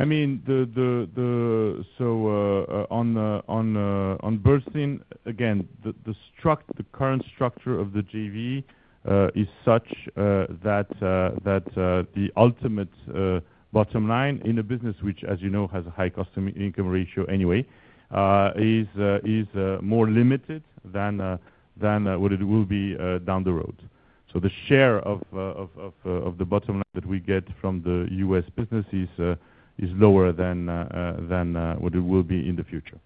I mean, on Bernstein, again, the current structure of the GV is such that the ultimate bottom line in a business which, as you know, has a high customer income ratio anyway, is more limited than what it will be down the road. The share of the bottom line that we get from the U.S. business is lower than what it will be in the future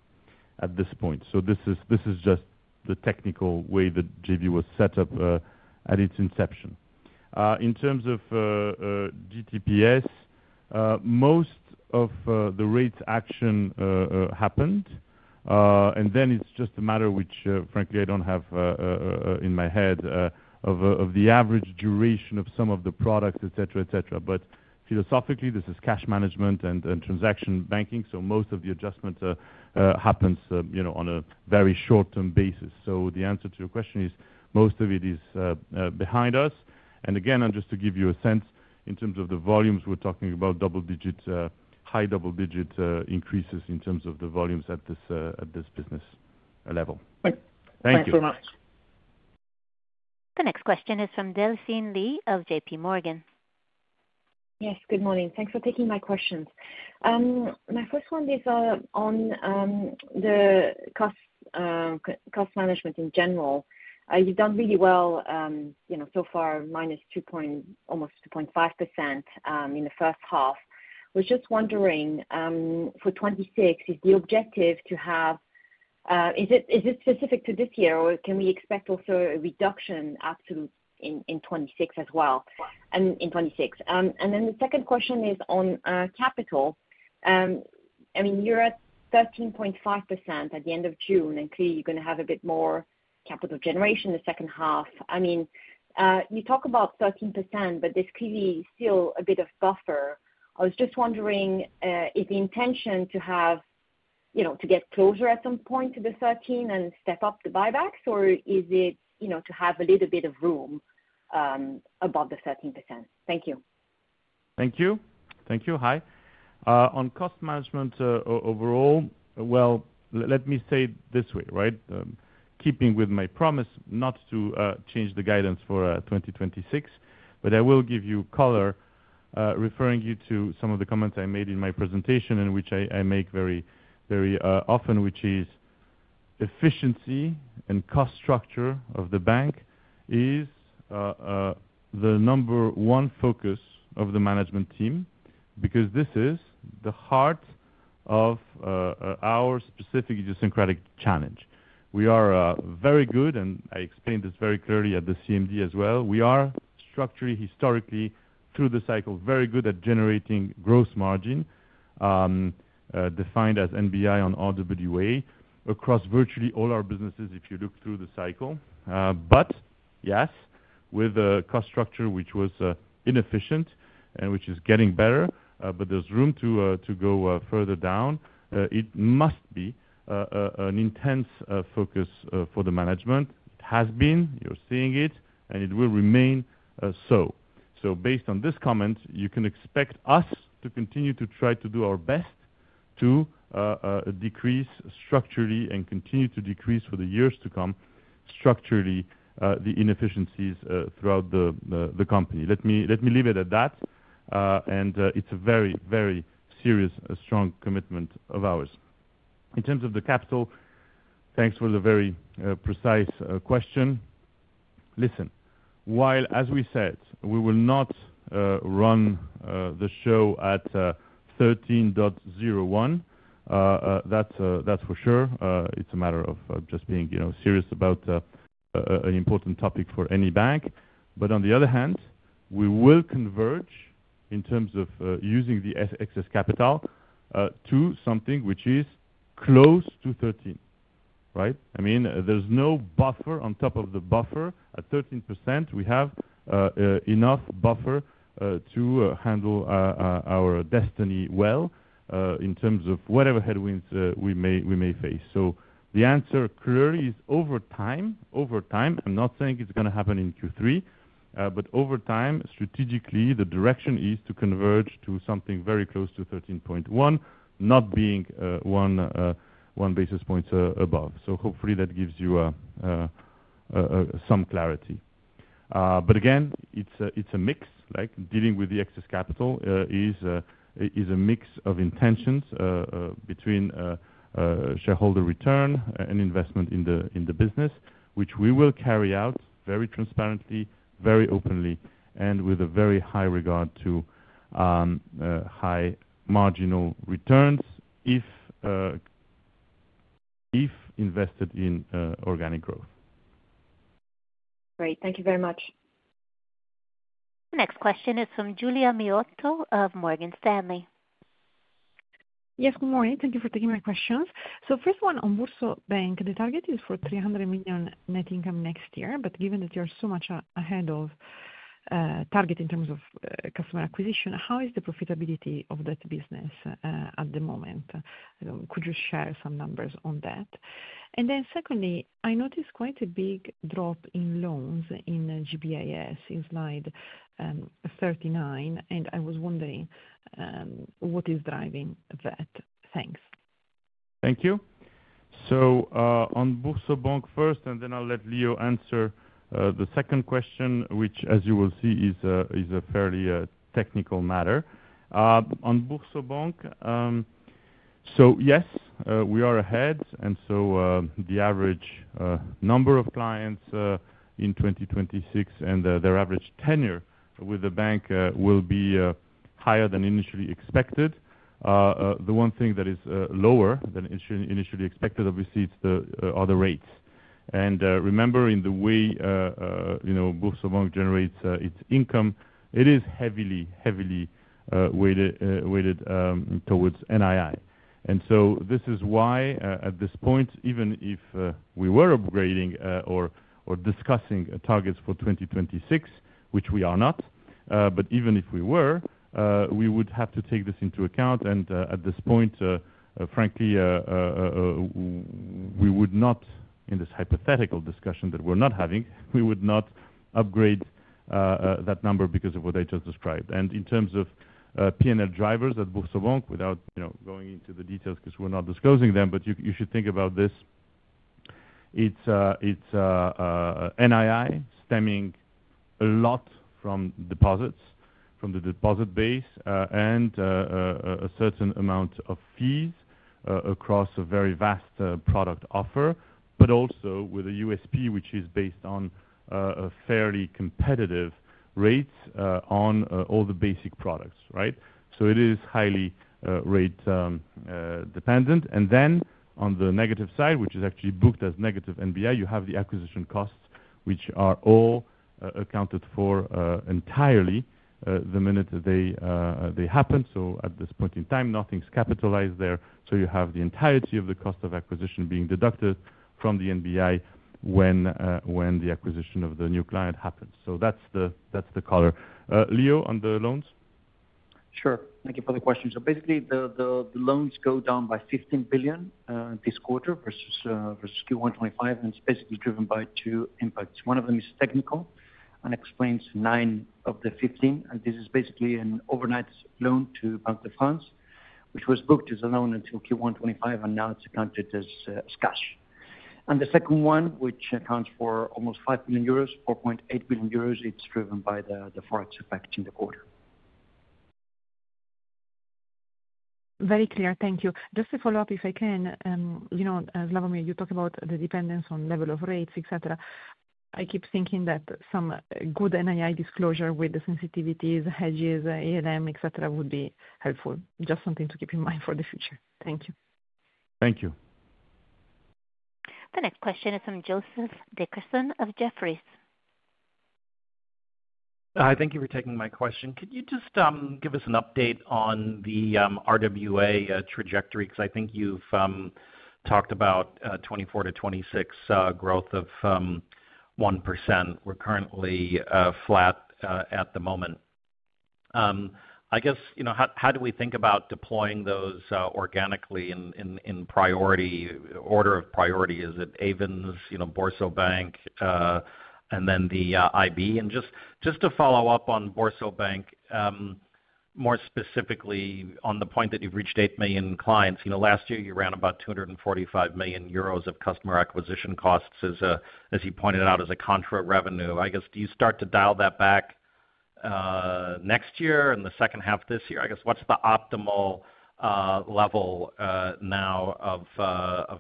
at this point. This is just the technical way the GV was set up at its inception. In terms of GTPS, most of the rates action happened, and then it's just a matter which, frankly, I don't have in my head of the average duration of some of the products, etc., etc. Philosophically, this is cash management and transaction banking, so most of the adjustment happens on a very short-term basis. The answer to your question is most of it is behind us. Again, just to give you a sense in terms of the volumes, we're talking about high double-digit increases in terms of the volumes at this business level. Thank you. Thank you very much. The next question is from Delphine Lee of JPMorgan. Yes, good morning. Thanks for taking my questions. My first one is on the cost management in general. You've done really well so far, minus almost 2.5% in the first half. We're just wondering, for 2026, is the objective to have, is it specific to this year, or can we expect also a reduction in 2026 as well? And in 2026. The second question is on capital. I mean, you're at 13.5% at the end of June, and clearly, you're going to have a bit more capital generation in the second half. You talk about 13%, but there's clearly still a bit of buffer. I was just wondering if the intention is to get closer at some point to the 13% and step up the buybacks, or is it to have a little bit of room above the 13%? Thank you. Thank you. Thank you. Hi. On cost management overall, let me say it this way, right? Keeping with my promise not to change the guidance for 2026, but I will give you color. Referring you to some of the comments I made in my presentation, which I make very often, which is efficiency and cost structure of the bank is the number one focus of the management team because this is the heart of. Our specific idiosyncratic challenge. We are very good, and I explained this very clearly at the CMD as well. We are structurally, historically, through the cycle, very good at generating gross margin. Defined as NBI on all WA across virtually all our businesses if you look through the cycle. Yes, with a cost structure which was inefficient and which is getting better, but there's room to go further down. It must be an intense focus for the management. It has been. You're seeing it, and it will remain so. Based on this comment, you can expect us to continue to try to do our best to decrease structurally and continue to decrease for the years to come structurally the inefficiencies throughout the company. Let me leave it at that. It's a very, very serious, strong commitment of ours. In terms of the capital, thanks for the very precise question. Listen, as we said, we will not run the show at 13.01. That's for sure. It's a matter of just being serious about an important topic for any bank. On the other hand, we will converge in terms of using the excess capital to something which is close to 13, right? I mean, there's no buffer on top of the buffer. At 13%, we have enough buffer to handle our destiny well in terms of whatever headwinds we may face. The answer clearly is over time. Over time. I'm not saying it's going to happen in Q3, but over time, strategically, the direction is to converge to something very close to 13.1, not being one basis point above. Hopefully, that gives you some clarity. Again, it's a mix. Dealing with the excess capital is a mix of intentions between shareholder return and investment in the business, which we will carry out very transparently, very openly, and with a very high regard to high marginal returns if invested in organic growth. Great. Thank you very much. The next question is from Giulia Miotto of Morgan Stanley. Yes, good morning. Thank you for taking my questions. First one, on BoursoBank, the target is for 300 million net income next year, but given that you are so much ahead of target in terms of customer acquisition, how is the profitability of that business at the moment? Could you share some numbers on that? Secondly, I noticed quite a big drop in loans in GBIS in slide 39, and I was wondering what is driving that? Thanks. Thank you. On BoursoBank first, and then I'll let Leo answer the second question, which, as you will see, is a fairly technical matter. On BoursoBank, yes, we are ahead. The average number of clients in 2026 and their average tenure with the bank will be higher than initially expected. The one thing that is lower than initially expected, obviously, is the other rates. Remember, in the way BoursoBank generates its income, it is heavily weighted towards NII. This is why, at this point, even if we were upgrading or discussing targets for 2026, which we are not, but even if we were, we would have to take this into account. At this point, frankly, we would not, in this hypothetical discussion that we're not having, we would not upgrade that number because of what I just described. In terms of P&L drivers at BoursoBank, without going into the details because we're not disclosing them, you should think about this. It's NII stemming a lot from deposits, from the deposit base, and a certain amount of fees across a very vast product offer, but also with a USP which is based on fairly competitive rates on all the basic products, right? It is highly rate dependent. On the negative side, which is actually booked as negative NBI, you have the acquisition costs which are all accounted for entirely the minute they happen. At this point in time, nothing's capitalized there. You have the entirety of the cost of acquisition being deducted from the NBI when the acquisition of the new client happens. That's the color. Leo, on the loans? Sure. Thank you for the question. Basically, the loans go down by 15 billion this quarter versus Q1 2025, and it's basically driven by two impacts. One of them is technical and explains 9 billion of the 15 billion. This is basically an overnight loan to Banque de France, which was booked as a loan until Q1 2025, and now it's accounted as cash. The second one, which accounts for almost 5 billion euros, 4.8 billion euros, is driven by the forex effect in the quarter. Very clear. Thank you. Just to follow up, if I can. As [levriere], you talk about the dependence on level of rates, etc., I keep thinking that some good NII disclosure with the sensitivities, the hedges, ALM, etc., would be helpful. Just something to keep in mind for the future. Thank you. Thank you. The next question is from Joseph Dickerson of Jefferies. Hi. Thank you for taking my question. Could you just give us an update on the RWA trajectory? Because I think you've talked about 2024 to 2026 growth of 1%. We're currently flat at the moment. I guess, how do we think about deploying those organically in order of priority? Is it Ayvens, BoursoBank, and then the IB? Just to follow up on BoursoBank, more specifically on the point that you've reached 8 million clients, last year, you ran about 245 million euros of customer acquisition costs, as you pointed out, as a contra revenue. I guess, do you start to dial that back next year and the second half this year? I guess, what's the optimal level now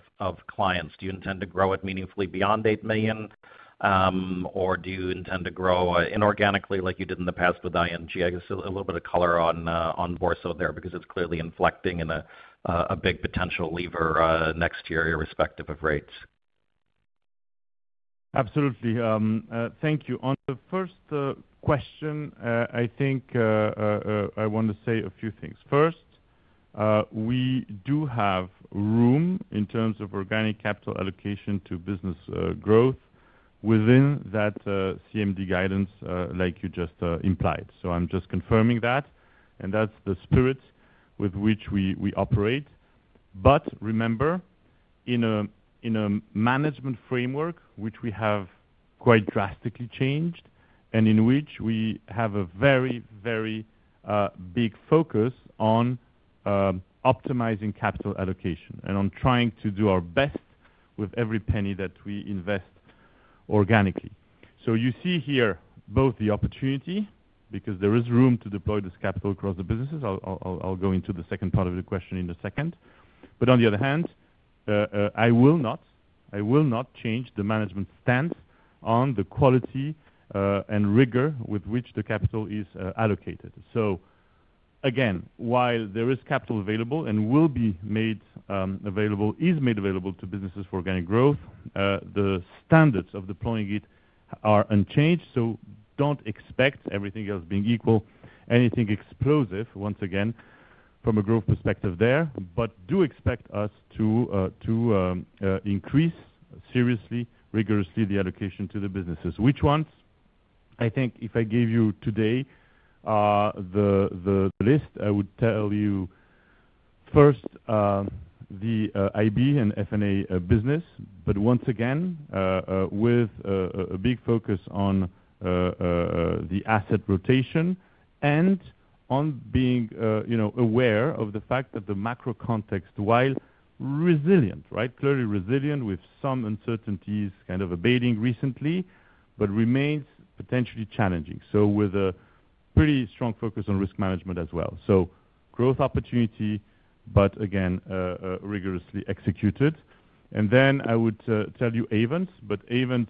of clients? Do you intend to grow it meaningfully beyond 8 million, or do you intend to grow inorganically like you did in the past with ING? I guess, a little bit of color on BoursoBank there because it's clearly inflecting in a big potential lever next year irrespective of rates. Absolutely. Thank you. On the first question, I think I want to say a few things. First, we do have room in terms of organic capital allocation to business growth within that CMD guidance like you just implied. I'm just confirming that, and that's the spirit with which we operate. Remember, in a management framework which we have quite drastically changed and in which we have a very, very big focus on optimizing capital allocation and on trying to do our best with every penny that we invest organically. You see here both the opportunity because there is room to deploy this capital across the businesses. I'll go into the second part of the question in a second. On the other hand, I will not change the management stance on the quality and rigor with which the capital is allocated. Again, while there is capital available and will be made available, is made available to businesses for organic growth, the standards of deploying it are unchanged. Don't expect everything else being equal, anything explosive, once again, from a growth perspective there, but do expect us to increase seriously, rigorously the allocation to the businesses. Which ones? I think if I gave you today the list, I would tell you first the IB and F&A business, but once again with a big focus on the asset rotation and on being aware of the fact that the macro context, while resilient, right, clearly resilient with some uncertainties kind of abating recently, remains potentially challenging, with a pretty strong focus on risk management as well. Growth opportunity, but again, rigorously executed. I would tell you Ayvens, but Ayvens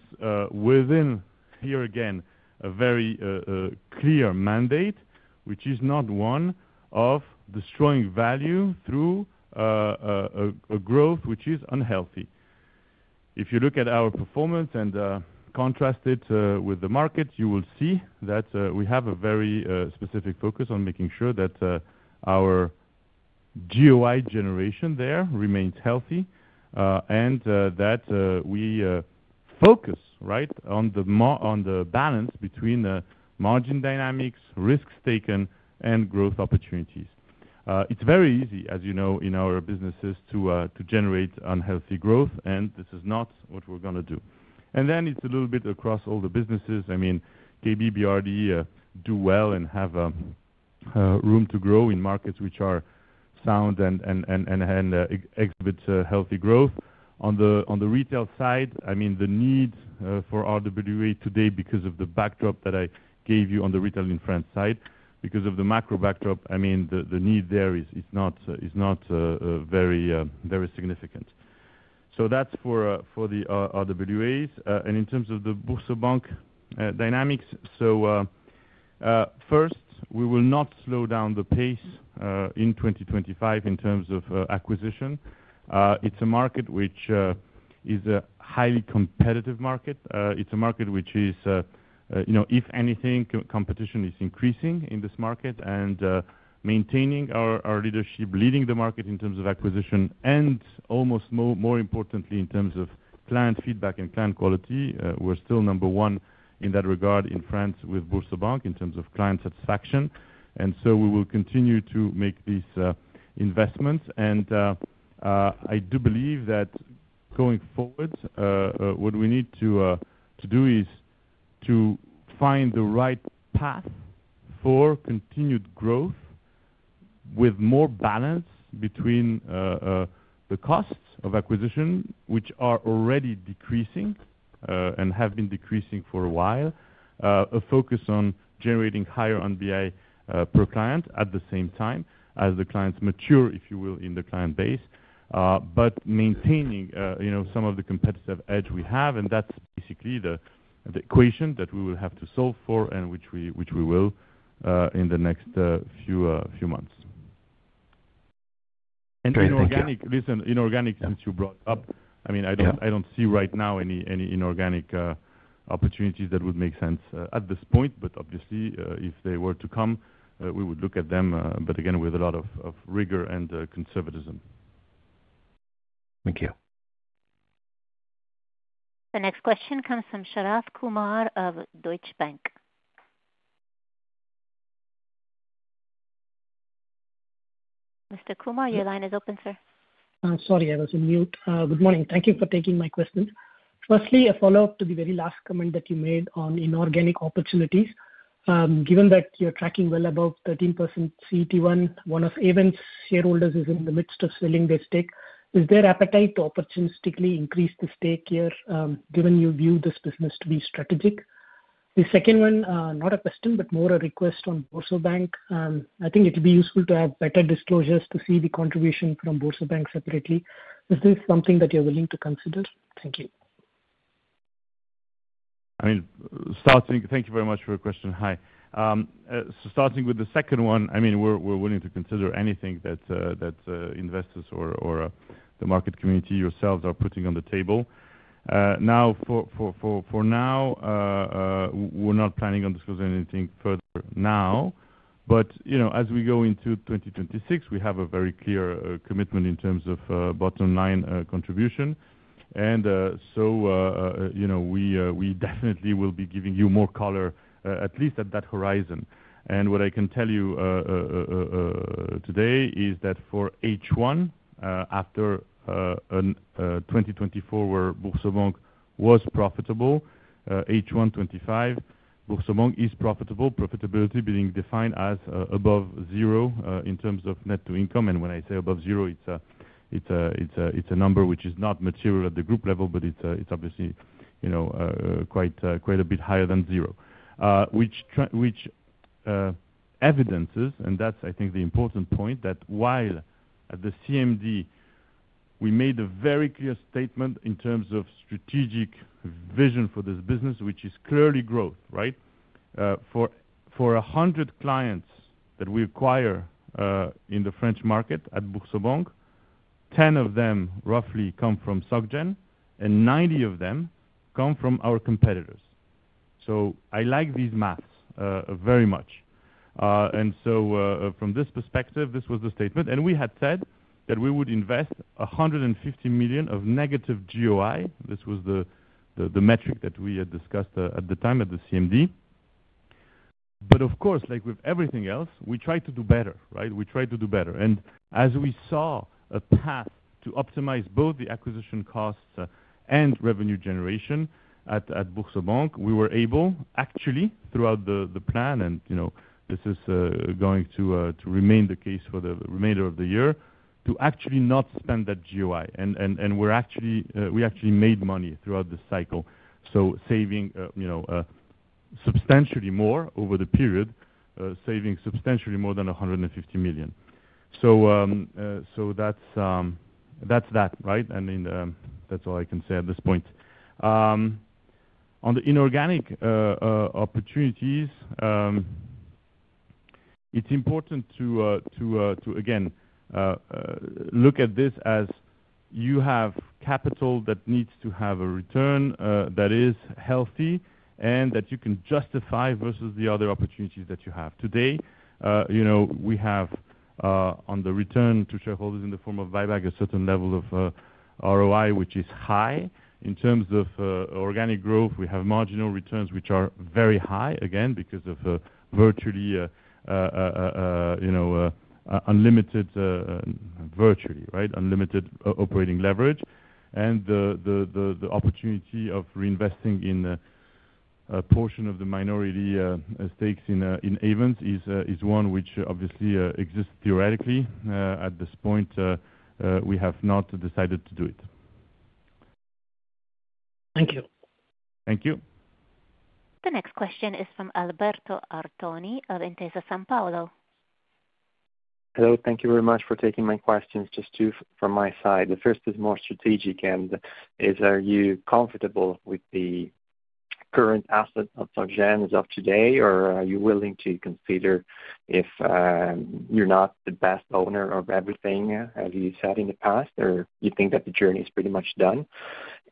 within, here again, a very clear mandate, which is not one of destroying value through a growth which is unhealthy. If you look at our performance and contrast it with the market, you will see that we have a very specific focus on making sure that our GOI generation there remains healthy and that we focus, right, on the balance between margin dynamics, risks taken, and growth opportunities. It's very easy, as you know, in our businesses to generate unhealthy growth, and this is not what we're going to do. It's a little bit across all the businesses. I mean, KB, BRD do well and have room to grow in markets which are sound and exhibit healthy growth. On the retail side, the need for RWA today because of the backdrop that I gave you on the retail in France side, because of the macro backdrop, the need there is not very significant. That's for the RWAs. In terms of the BoursoBank dynamics, first, we will not slow down the pace in 2025 in terms of acquisition. It's a market which is a highly competitive market. It's a market which is, if anything, competition is increasing in this market and maintaining our leadership, leading the market in terms of acquisition, and almost more importantly, in terms of client feedback and client quality. We're still number one in that regard in France with BoursoBank in terms of client satisfaction. We will continue to make these investments. I do believe that going forward, what we need to do is to find the right path for continued growth with more balance between the costs of acquisition, which are already decreasing and have been decreasing for a while, a focus on generating higher NBI per client at the same time as the clients mature, if you will, in the client base, but maintaining some of the competitive edge we have. That's basically the equation that we will have to solve for and which we will in the next few months. Inorganic, listen, inorganic, since you brought up, I don't see right now any inorganic opportunities that would make sense at this point. Obviously, if they were to come, we would look at them, but again, with a lot of rigor and conservatism. Thank you. The next question comes from Sharath Kumar of Deutsche Bank. Mr. Kumar, your line is open, sir. Sorry, I was on mute. Good morning. Thank you for taking my question. Firstly, a follow-up to the very last comment that you made on inorganic opportunities. Given that you're tracking well above 13% CET1, one of AVENS shareholders is in the midst of selling their stake. Is there appetite to opportunistically increase the stake here, given you view this business to be strategic? The second one, not a question, but more a request on BoursoBank. I think it would be useful to have better disclosures to see the contribution from BoursoBank separately. Is this something that you're willing to consider? Thank you. Thank you very much for your question. Hi. Starting with the second one, we're willing to consider anything that investors or the market community yourselves are putting on the table. For now, we're not planning on disclosing anything further now. As we go into 2026, we have a very clear commitment in terms of bottom-line contribution. We definitely will be giving you more color, at least at that horizon. What I can tell you today is that for H1 after 2024, where BoursoBank was profitable, H1 2025, BoursoBank is profitable, profitability being defined as above zero in terms of net to income. When I say above zero, it's a number which is not material at the group level, but it's obviously quite a bit higher than zero, which evidences, and that's, I think, the important point, that while at the CMD, we made a very clear statement in terms of strategic vision for this business, which is clearly growth, right? For 100 clients that we acquire in the French market at BoursoBank, 10 of them roughly come from SocGen, and 90 of them come from our competitors. I like these maths very much. From this perspective, this was the statement. We had said that we would invest 150 million of negative GOI. This was the metric that we had discussed at the time at the CMD. Of course, like with everything else, we tried to do better, right? We tried to do better. As we saw a path to optimize both the acquisition costs and revenue generation at BoursoBank, we were able, actually, throughout the plan, and this is going to remain the case for the remainder of the year, to actually not spend that GOI. We actually made money throughout the cycle, so saving substantially more over the period. Saving substantially more than 150 million. That's that, right? That's all I can say at this point. On the inorganic opportunities, it's important to again. Look at this as you have capital that needs to have a return that is healthy and that you can justify versus the other opportunities that you have. Today, we have, on the return to shareholders in the form of buyback, a certain level of ROI, which is high. In terms of organic growth, we have marginal returns, which are very high again because of virtually unlimited, virtually, right, unlimited operating leverage. The opportunity of reinvesting in a portion of the minority stakes in Ayvens is one which obviously exists theoretically. At this point, we have not decided to do it. Thank you. Thank you. The next question is from Alberto Artoni of Intesa San Paolo. Hello. Thank you very much for taking my questions. Just two from my side. The first is more strategic. Are you comfortable with the current asset of SocGen as of today, or are you willing to consider if you're not the best owner of everything, as you said in the past, or you think that the journey is pretty much done?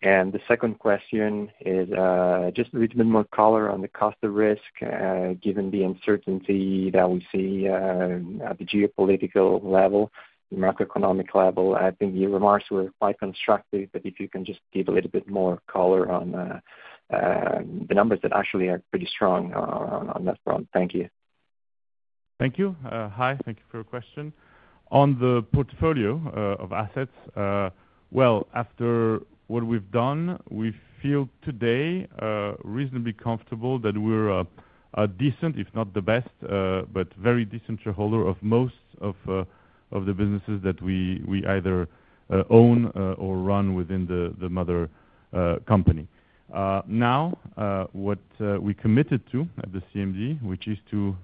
The second question is just a little bit more color on the cost of risk, given the uncertainty that we see at the geopolitical level, macroeconomic level. I think your remarks were quite constructive, but if you can just give a little bit more color on the numbers that actually are pretty strong on that front. Thank you. Thank you. Hi. Thank you for your question. On the portfolio of assets, after what we've done, we feel today reasonably Comfortable that we're a decent, if not the best, but very decent shareholder of most of the businesses that we either own or run within the mother company. What we committed to at the CMD, which is to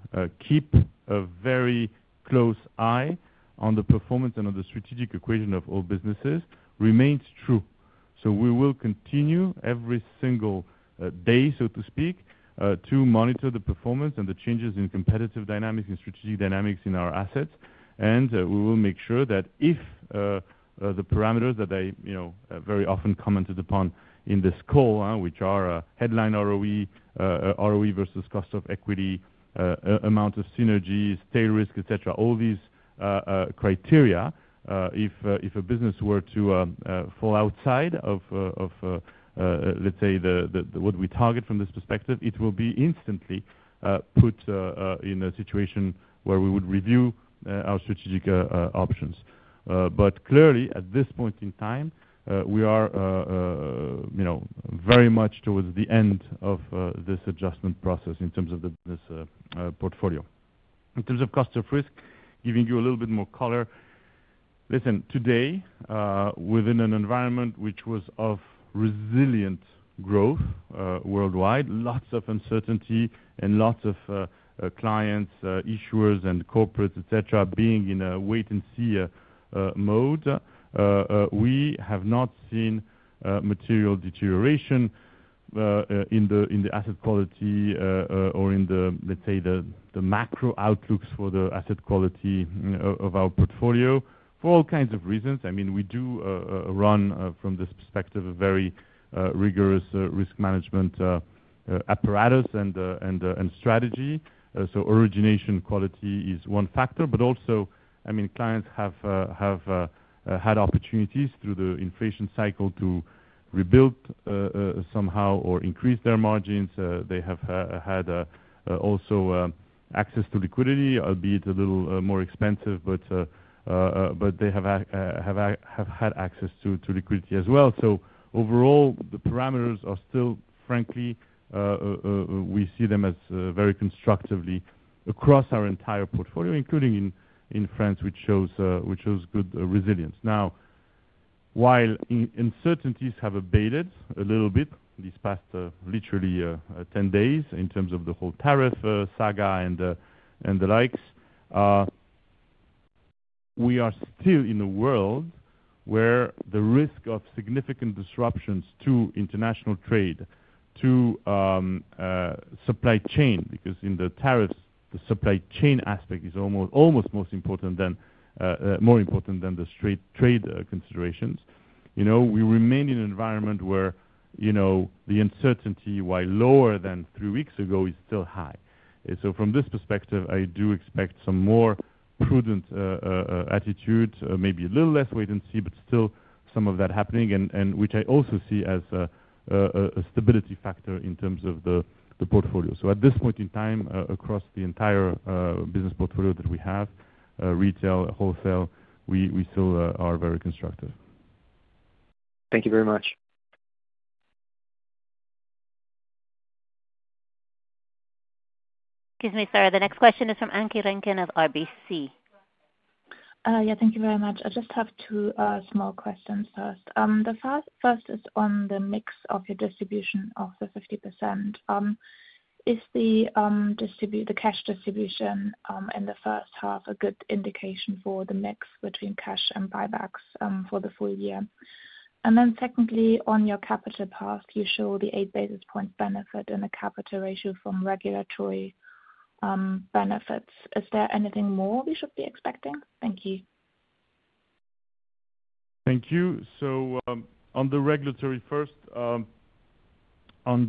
keep a very close eye on the performance and on the strategic equation of all businesses, remains true. We will continue every single day, so to speak, to monitor the performance and the changes in competitive dynamics and strategic dynamics in our assets. We will make sure that if the parameters that I, you know, very often commented upon in this call, which are headline ROE, ROE versus cost of equity, amount of synergies, tail risk, etc., all these criteria, if a business were to fall outside of, let's say, what we target from this perspective, it will be instantly put in a situation where we would review our strategic options. Clearly, at this point in time, we are very much towards the end of this adjustment process in terms of the business portfolio. In terms of cost of risk, giving you a little bit more color. Listen, today, within an environment which was of resilient growth worldwide, lots of uncertainty and lots of clients, issuers, and corporates, etc., being in a wait-and-see mode, we have not seen material deterioration in the asset quality or in the, let's say, the macro outlooks for the asset quality of our portfolio for all kinds of reasons. I mean, we do run, from this perspective, a very rigorous risk management apparatus and strategy. Origination quality is one factor. Clients have had opportunities through the inflation cycle to rebuild, somehow or increase their margins. They have had also access to liquidity, albeit a little more expensive, but they have had access to liquidity as well. Overall, the parameters are still, frankly, we see them as very constructively across our entire portfolio, including in France, which shows good resilience. Now, while uncertainties have abated a little bit these past, literally, 10 days in terms of the whole tariff saga and the likes, we are still in a world where the risk of significant disruptions to international trade, to supply chain, because in the tariffs, the supply chain aspect is almost, almost more important than the straight trade considerations. We remain in an environment where the uncertainty, while lower than three weeks ago, is still high. From this perspective, I do expect some more prudent attitude, maybe a little less wait-and-see, but still some of that happening, which I also see as a stability factor in terms of the portfolio. At this point in time, across the entire business portfolio that we have, retail, wholesale, we still are very constructive. Thank you very much. Excuse me, sir. The next question is from Anke Renken of RBC. Thank you very much. I just have two small questions. The first is on the mix of your distribution of the 50%. Is the cash distribution in the first half a good indication for the mix between cash and buybacks for the full year? Secondly, on your capital path, you show the 8 basis points benefit in the capital ratio from regulatory benefits. Is there anything more we should be expecting? Thank you. Thank you. On the regulatory first, you know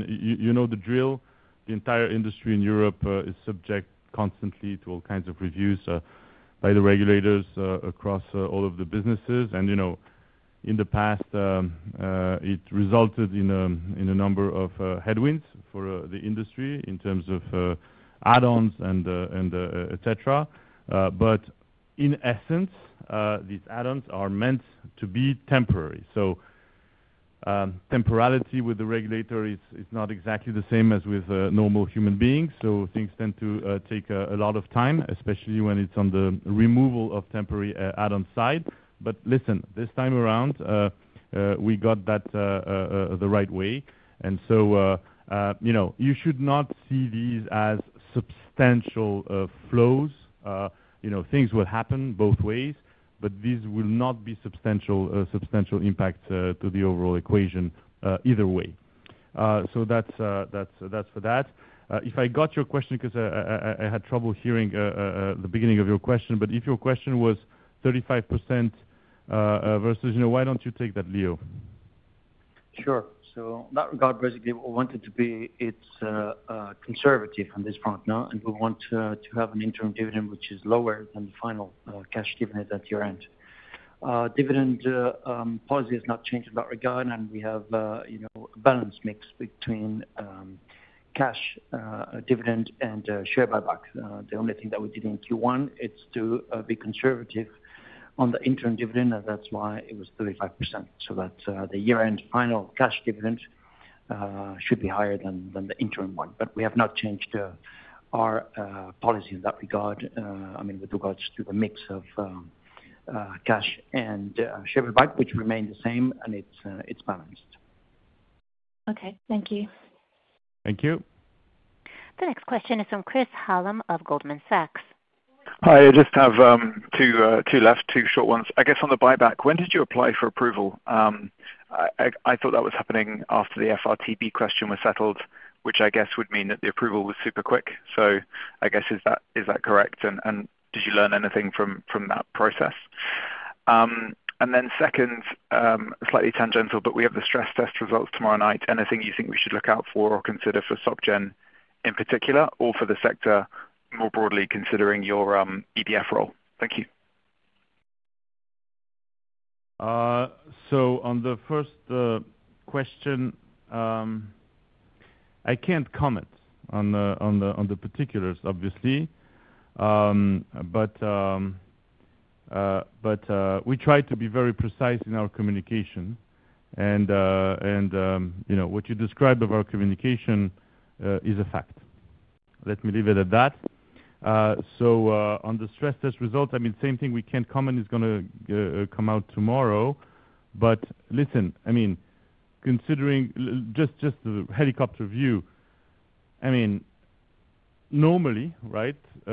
the drill. The entire industry in Europe is subject constantly to all kinds of reviews by the regulators across all of the businesses. In the past, it resulted in a number of headwinds for the industry in terms of add-ons, etc. In essence, these add-ons are meant to be temporary. Temporality with the regulator is not exactly the same as with normal human beings. Things tend to take a lot of time, especially when it's on the removal of temporary add-on side. This time around, we got that the right way. You should not see these as substantial flows. Things will happen both ways, but these will not be substantial impacts to the overall equation either way. That's for that. If I got your question, because I had trouble hearing the beginning of your question. If your question was 35% versus, why don't you take that, Leo? Sure. In that regard, basically, what we wanted to be, it's conservative on this front, no? We want to have an interim dividend which is lower than the final cash dividend at year-end. Dividend policy has not changed in that regard. We have, you know, a balanced mix between cash dividend and share buybacks. The only thing that we did in Q1 is to be conservative on the interim dividend. That's why it was 35%, so that the year-end final cash dividend should be higher than the interim one. We have not changed our policy in that regard, I mean, with regards to the mix of cash and share buyback, which remained the same. It's balanced. Okay. Thank you. Thank you. The next question is from Chris Hallam of Goldman Sachs. Hi. I just have two left, two short ones. I guess on the buyback, when did you apply for approval? I thought that was happening after the FRTB question was settled, which I guess would mean that the approval was super quick. Is that correct? Did you learn anything from that process? Second, slightly tangential, but we have the stress test results tomorrow night. Anything you think we should look out for or consider for SocGen in particular or for the sector more broadly considering your EDF role? Thank you. On the first question, I can't comment on the particulars, obviously. We try to be very precise in our communication, and what you described of our communication is a fact. Let me leave it at that. On the stress test result, I mean, same thing. We can't comment. It's going to come out tomorrow. Listen, considering just the helicopter view, normally, right, in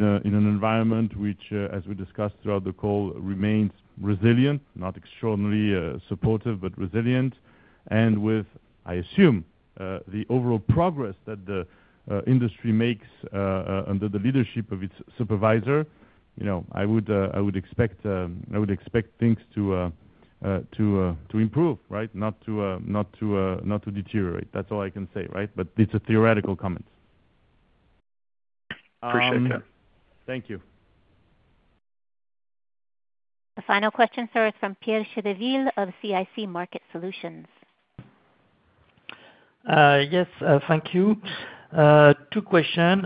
an environment which, as we discussed throughout the call, remains resilient, not extraordinarily supportive but resilient, and with, I assume, the overall progress that the industry makes under the leadership of its supervisor, I would expect things to improve, right, not to deteriorate. That's all I can say, right? It's a theoretical comment. Appreciate that. Thank you. The final question, sir, is from Pierre Chédeville of CIC Market Solutions. Yes. Thank you. Two questions.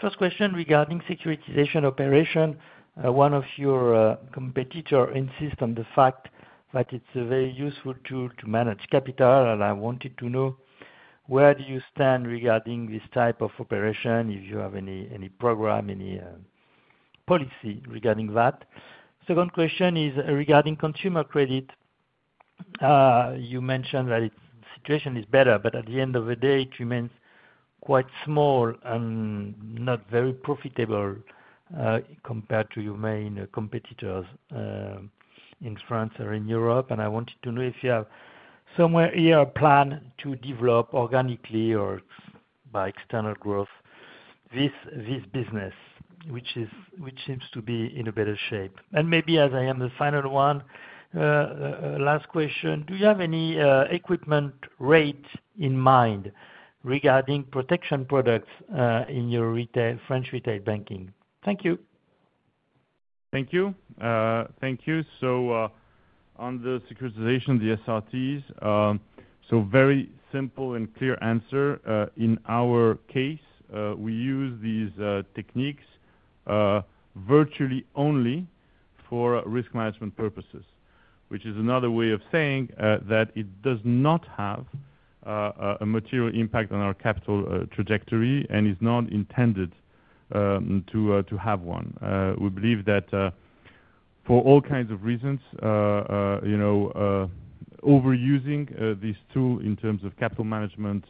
First question regarding securitization operation. One of your competitors insists on the fact that it's a very useful tool to manage capital. I wanted to know where do you stand regarding this type of operation, if you have any program, any policy regarding that. Second question is regarding consumer credit. You mentioned that the situation is better, but at the end of the day, it remains quite small and not very profitable, compared to your main competitors in France or in Europe. I wanted to know if you have somewhere here a plan to develop organically or by external growth this business, which seems to be in a better shape. Maybe, as I am the final one, last question, do you have any equipment rate in mind regarding protection products in your French Retail Banking? Thank you. Thank you. Thank you. On the securitization, the SRTs, very simple and clear answer. In our case, we use these techniques virtually only for risk management purposes, which is another way of saying that it does not have a material impact on our capital trajectory and is not intended to have one. We believe that, for all kinds of reasons, overusing this tool in terms of capital management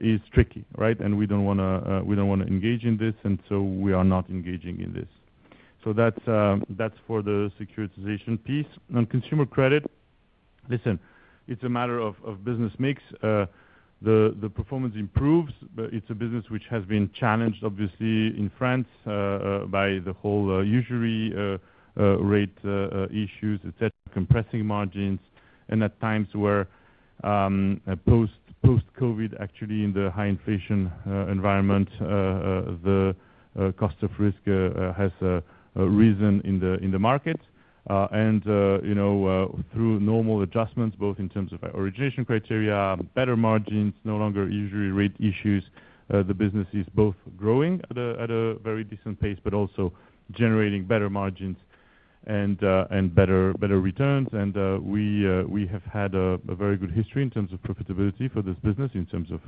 is tricky, right? We don't want to engage in this, and so we are not engaging in this. That's for the securitization piece. On consumer credit, it's a matter of business mix. The performance improves, but it's a business which has been challenged, obviously, in France, by the whole usury rate issues, etc., compressing margins. At times where, post-COVID, actually, in the high inflation environment, the cost of risk has risen in the market. Through normal adjustments, both in terms of origination criteria, better margins, no longer usury rate issues, the business is both growing at a very decent pace but also generating better margins and better returns. We have had a very good history in terms of profitability for this business in terms of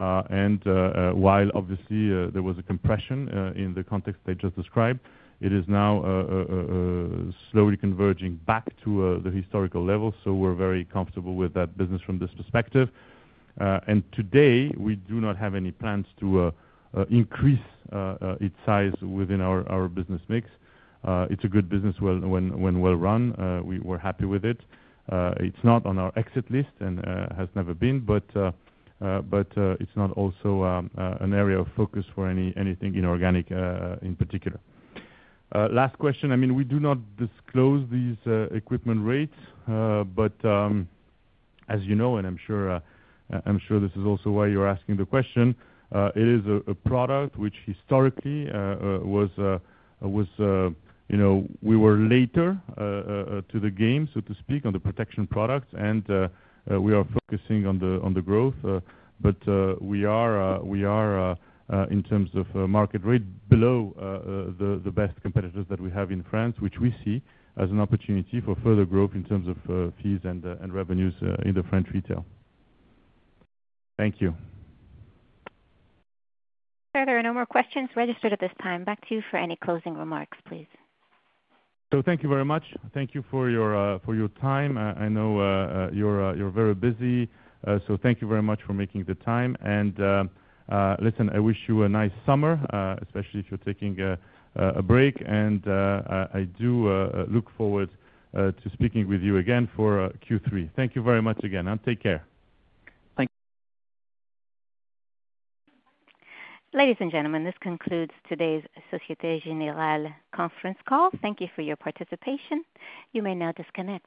ROE. While, obviously, there was a compression in the context I just described, it is now slowly converging back to the historical level. We're very comfortable with that business from this perspective. Today, we do not have any plans to increase its size within our business mix. It's a good business when well-run. We're happy with it. It's not on our exit list and has never been. It's not also an area of focus for anything inorganic, in particular. Last question. We do not disclose these equipment rates. As you know, and I'm sure this is also why you're asking the question, it is a product which historically, we were later to the game, so to speak, on the protection products. We are focusing on the growth. We are, in terms of market rate, below the best competitors that we have in France, which we see as an opportunity for further growth in terms of fees and revenues in the French retail. Thank you. Sir, there are no more questions registered at this time. Back to you for any closing remarks, please. Thank you very much. Thank you for your time. I know you're very busy. Thank you very much for making the time. I wish you a nice summer, especially if you're taking a break. I do look forward to speaking with you again for Q3. Thank you very much again, and take care. Thank you. Ladies and gentlemen, this concludes today's Société Générale conference call. Thank you for your participation. You may now disconnect.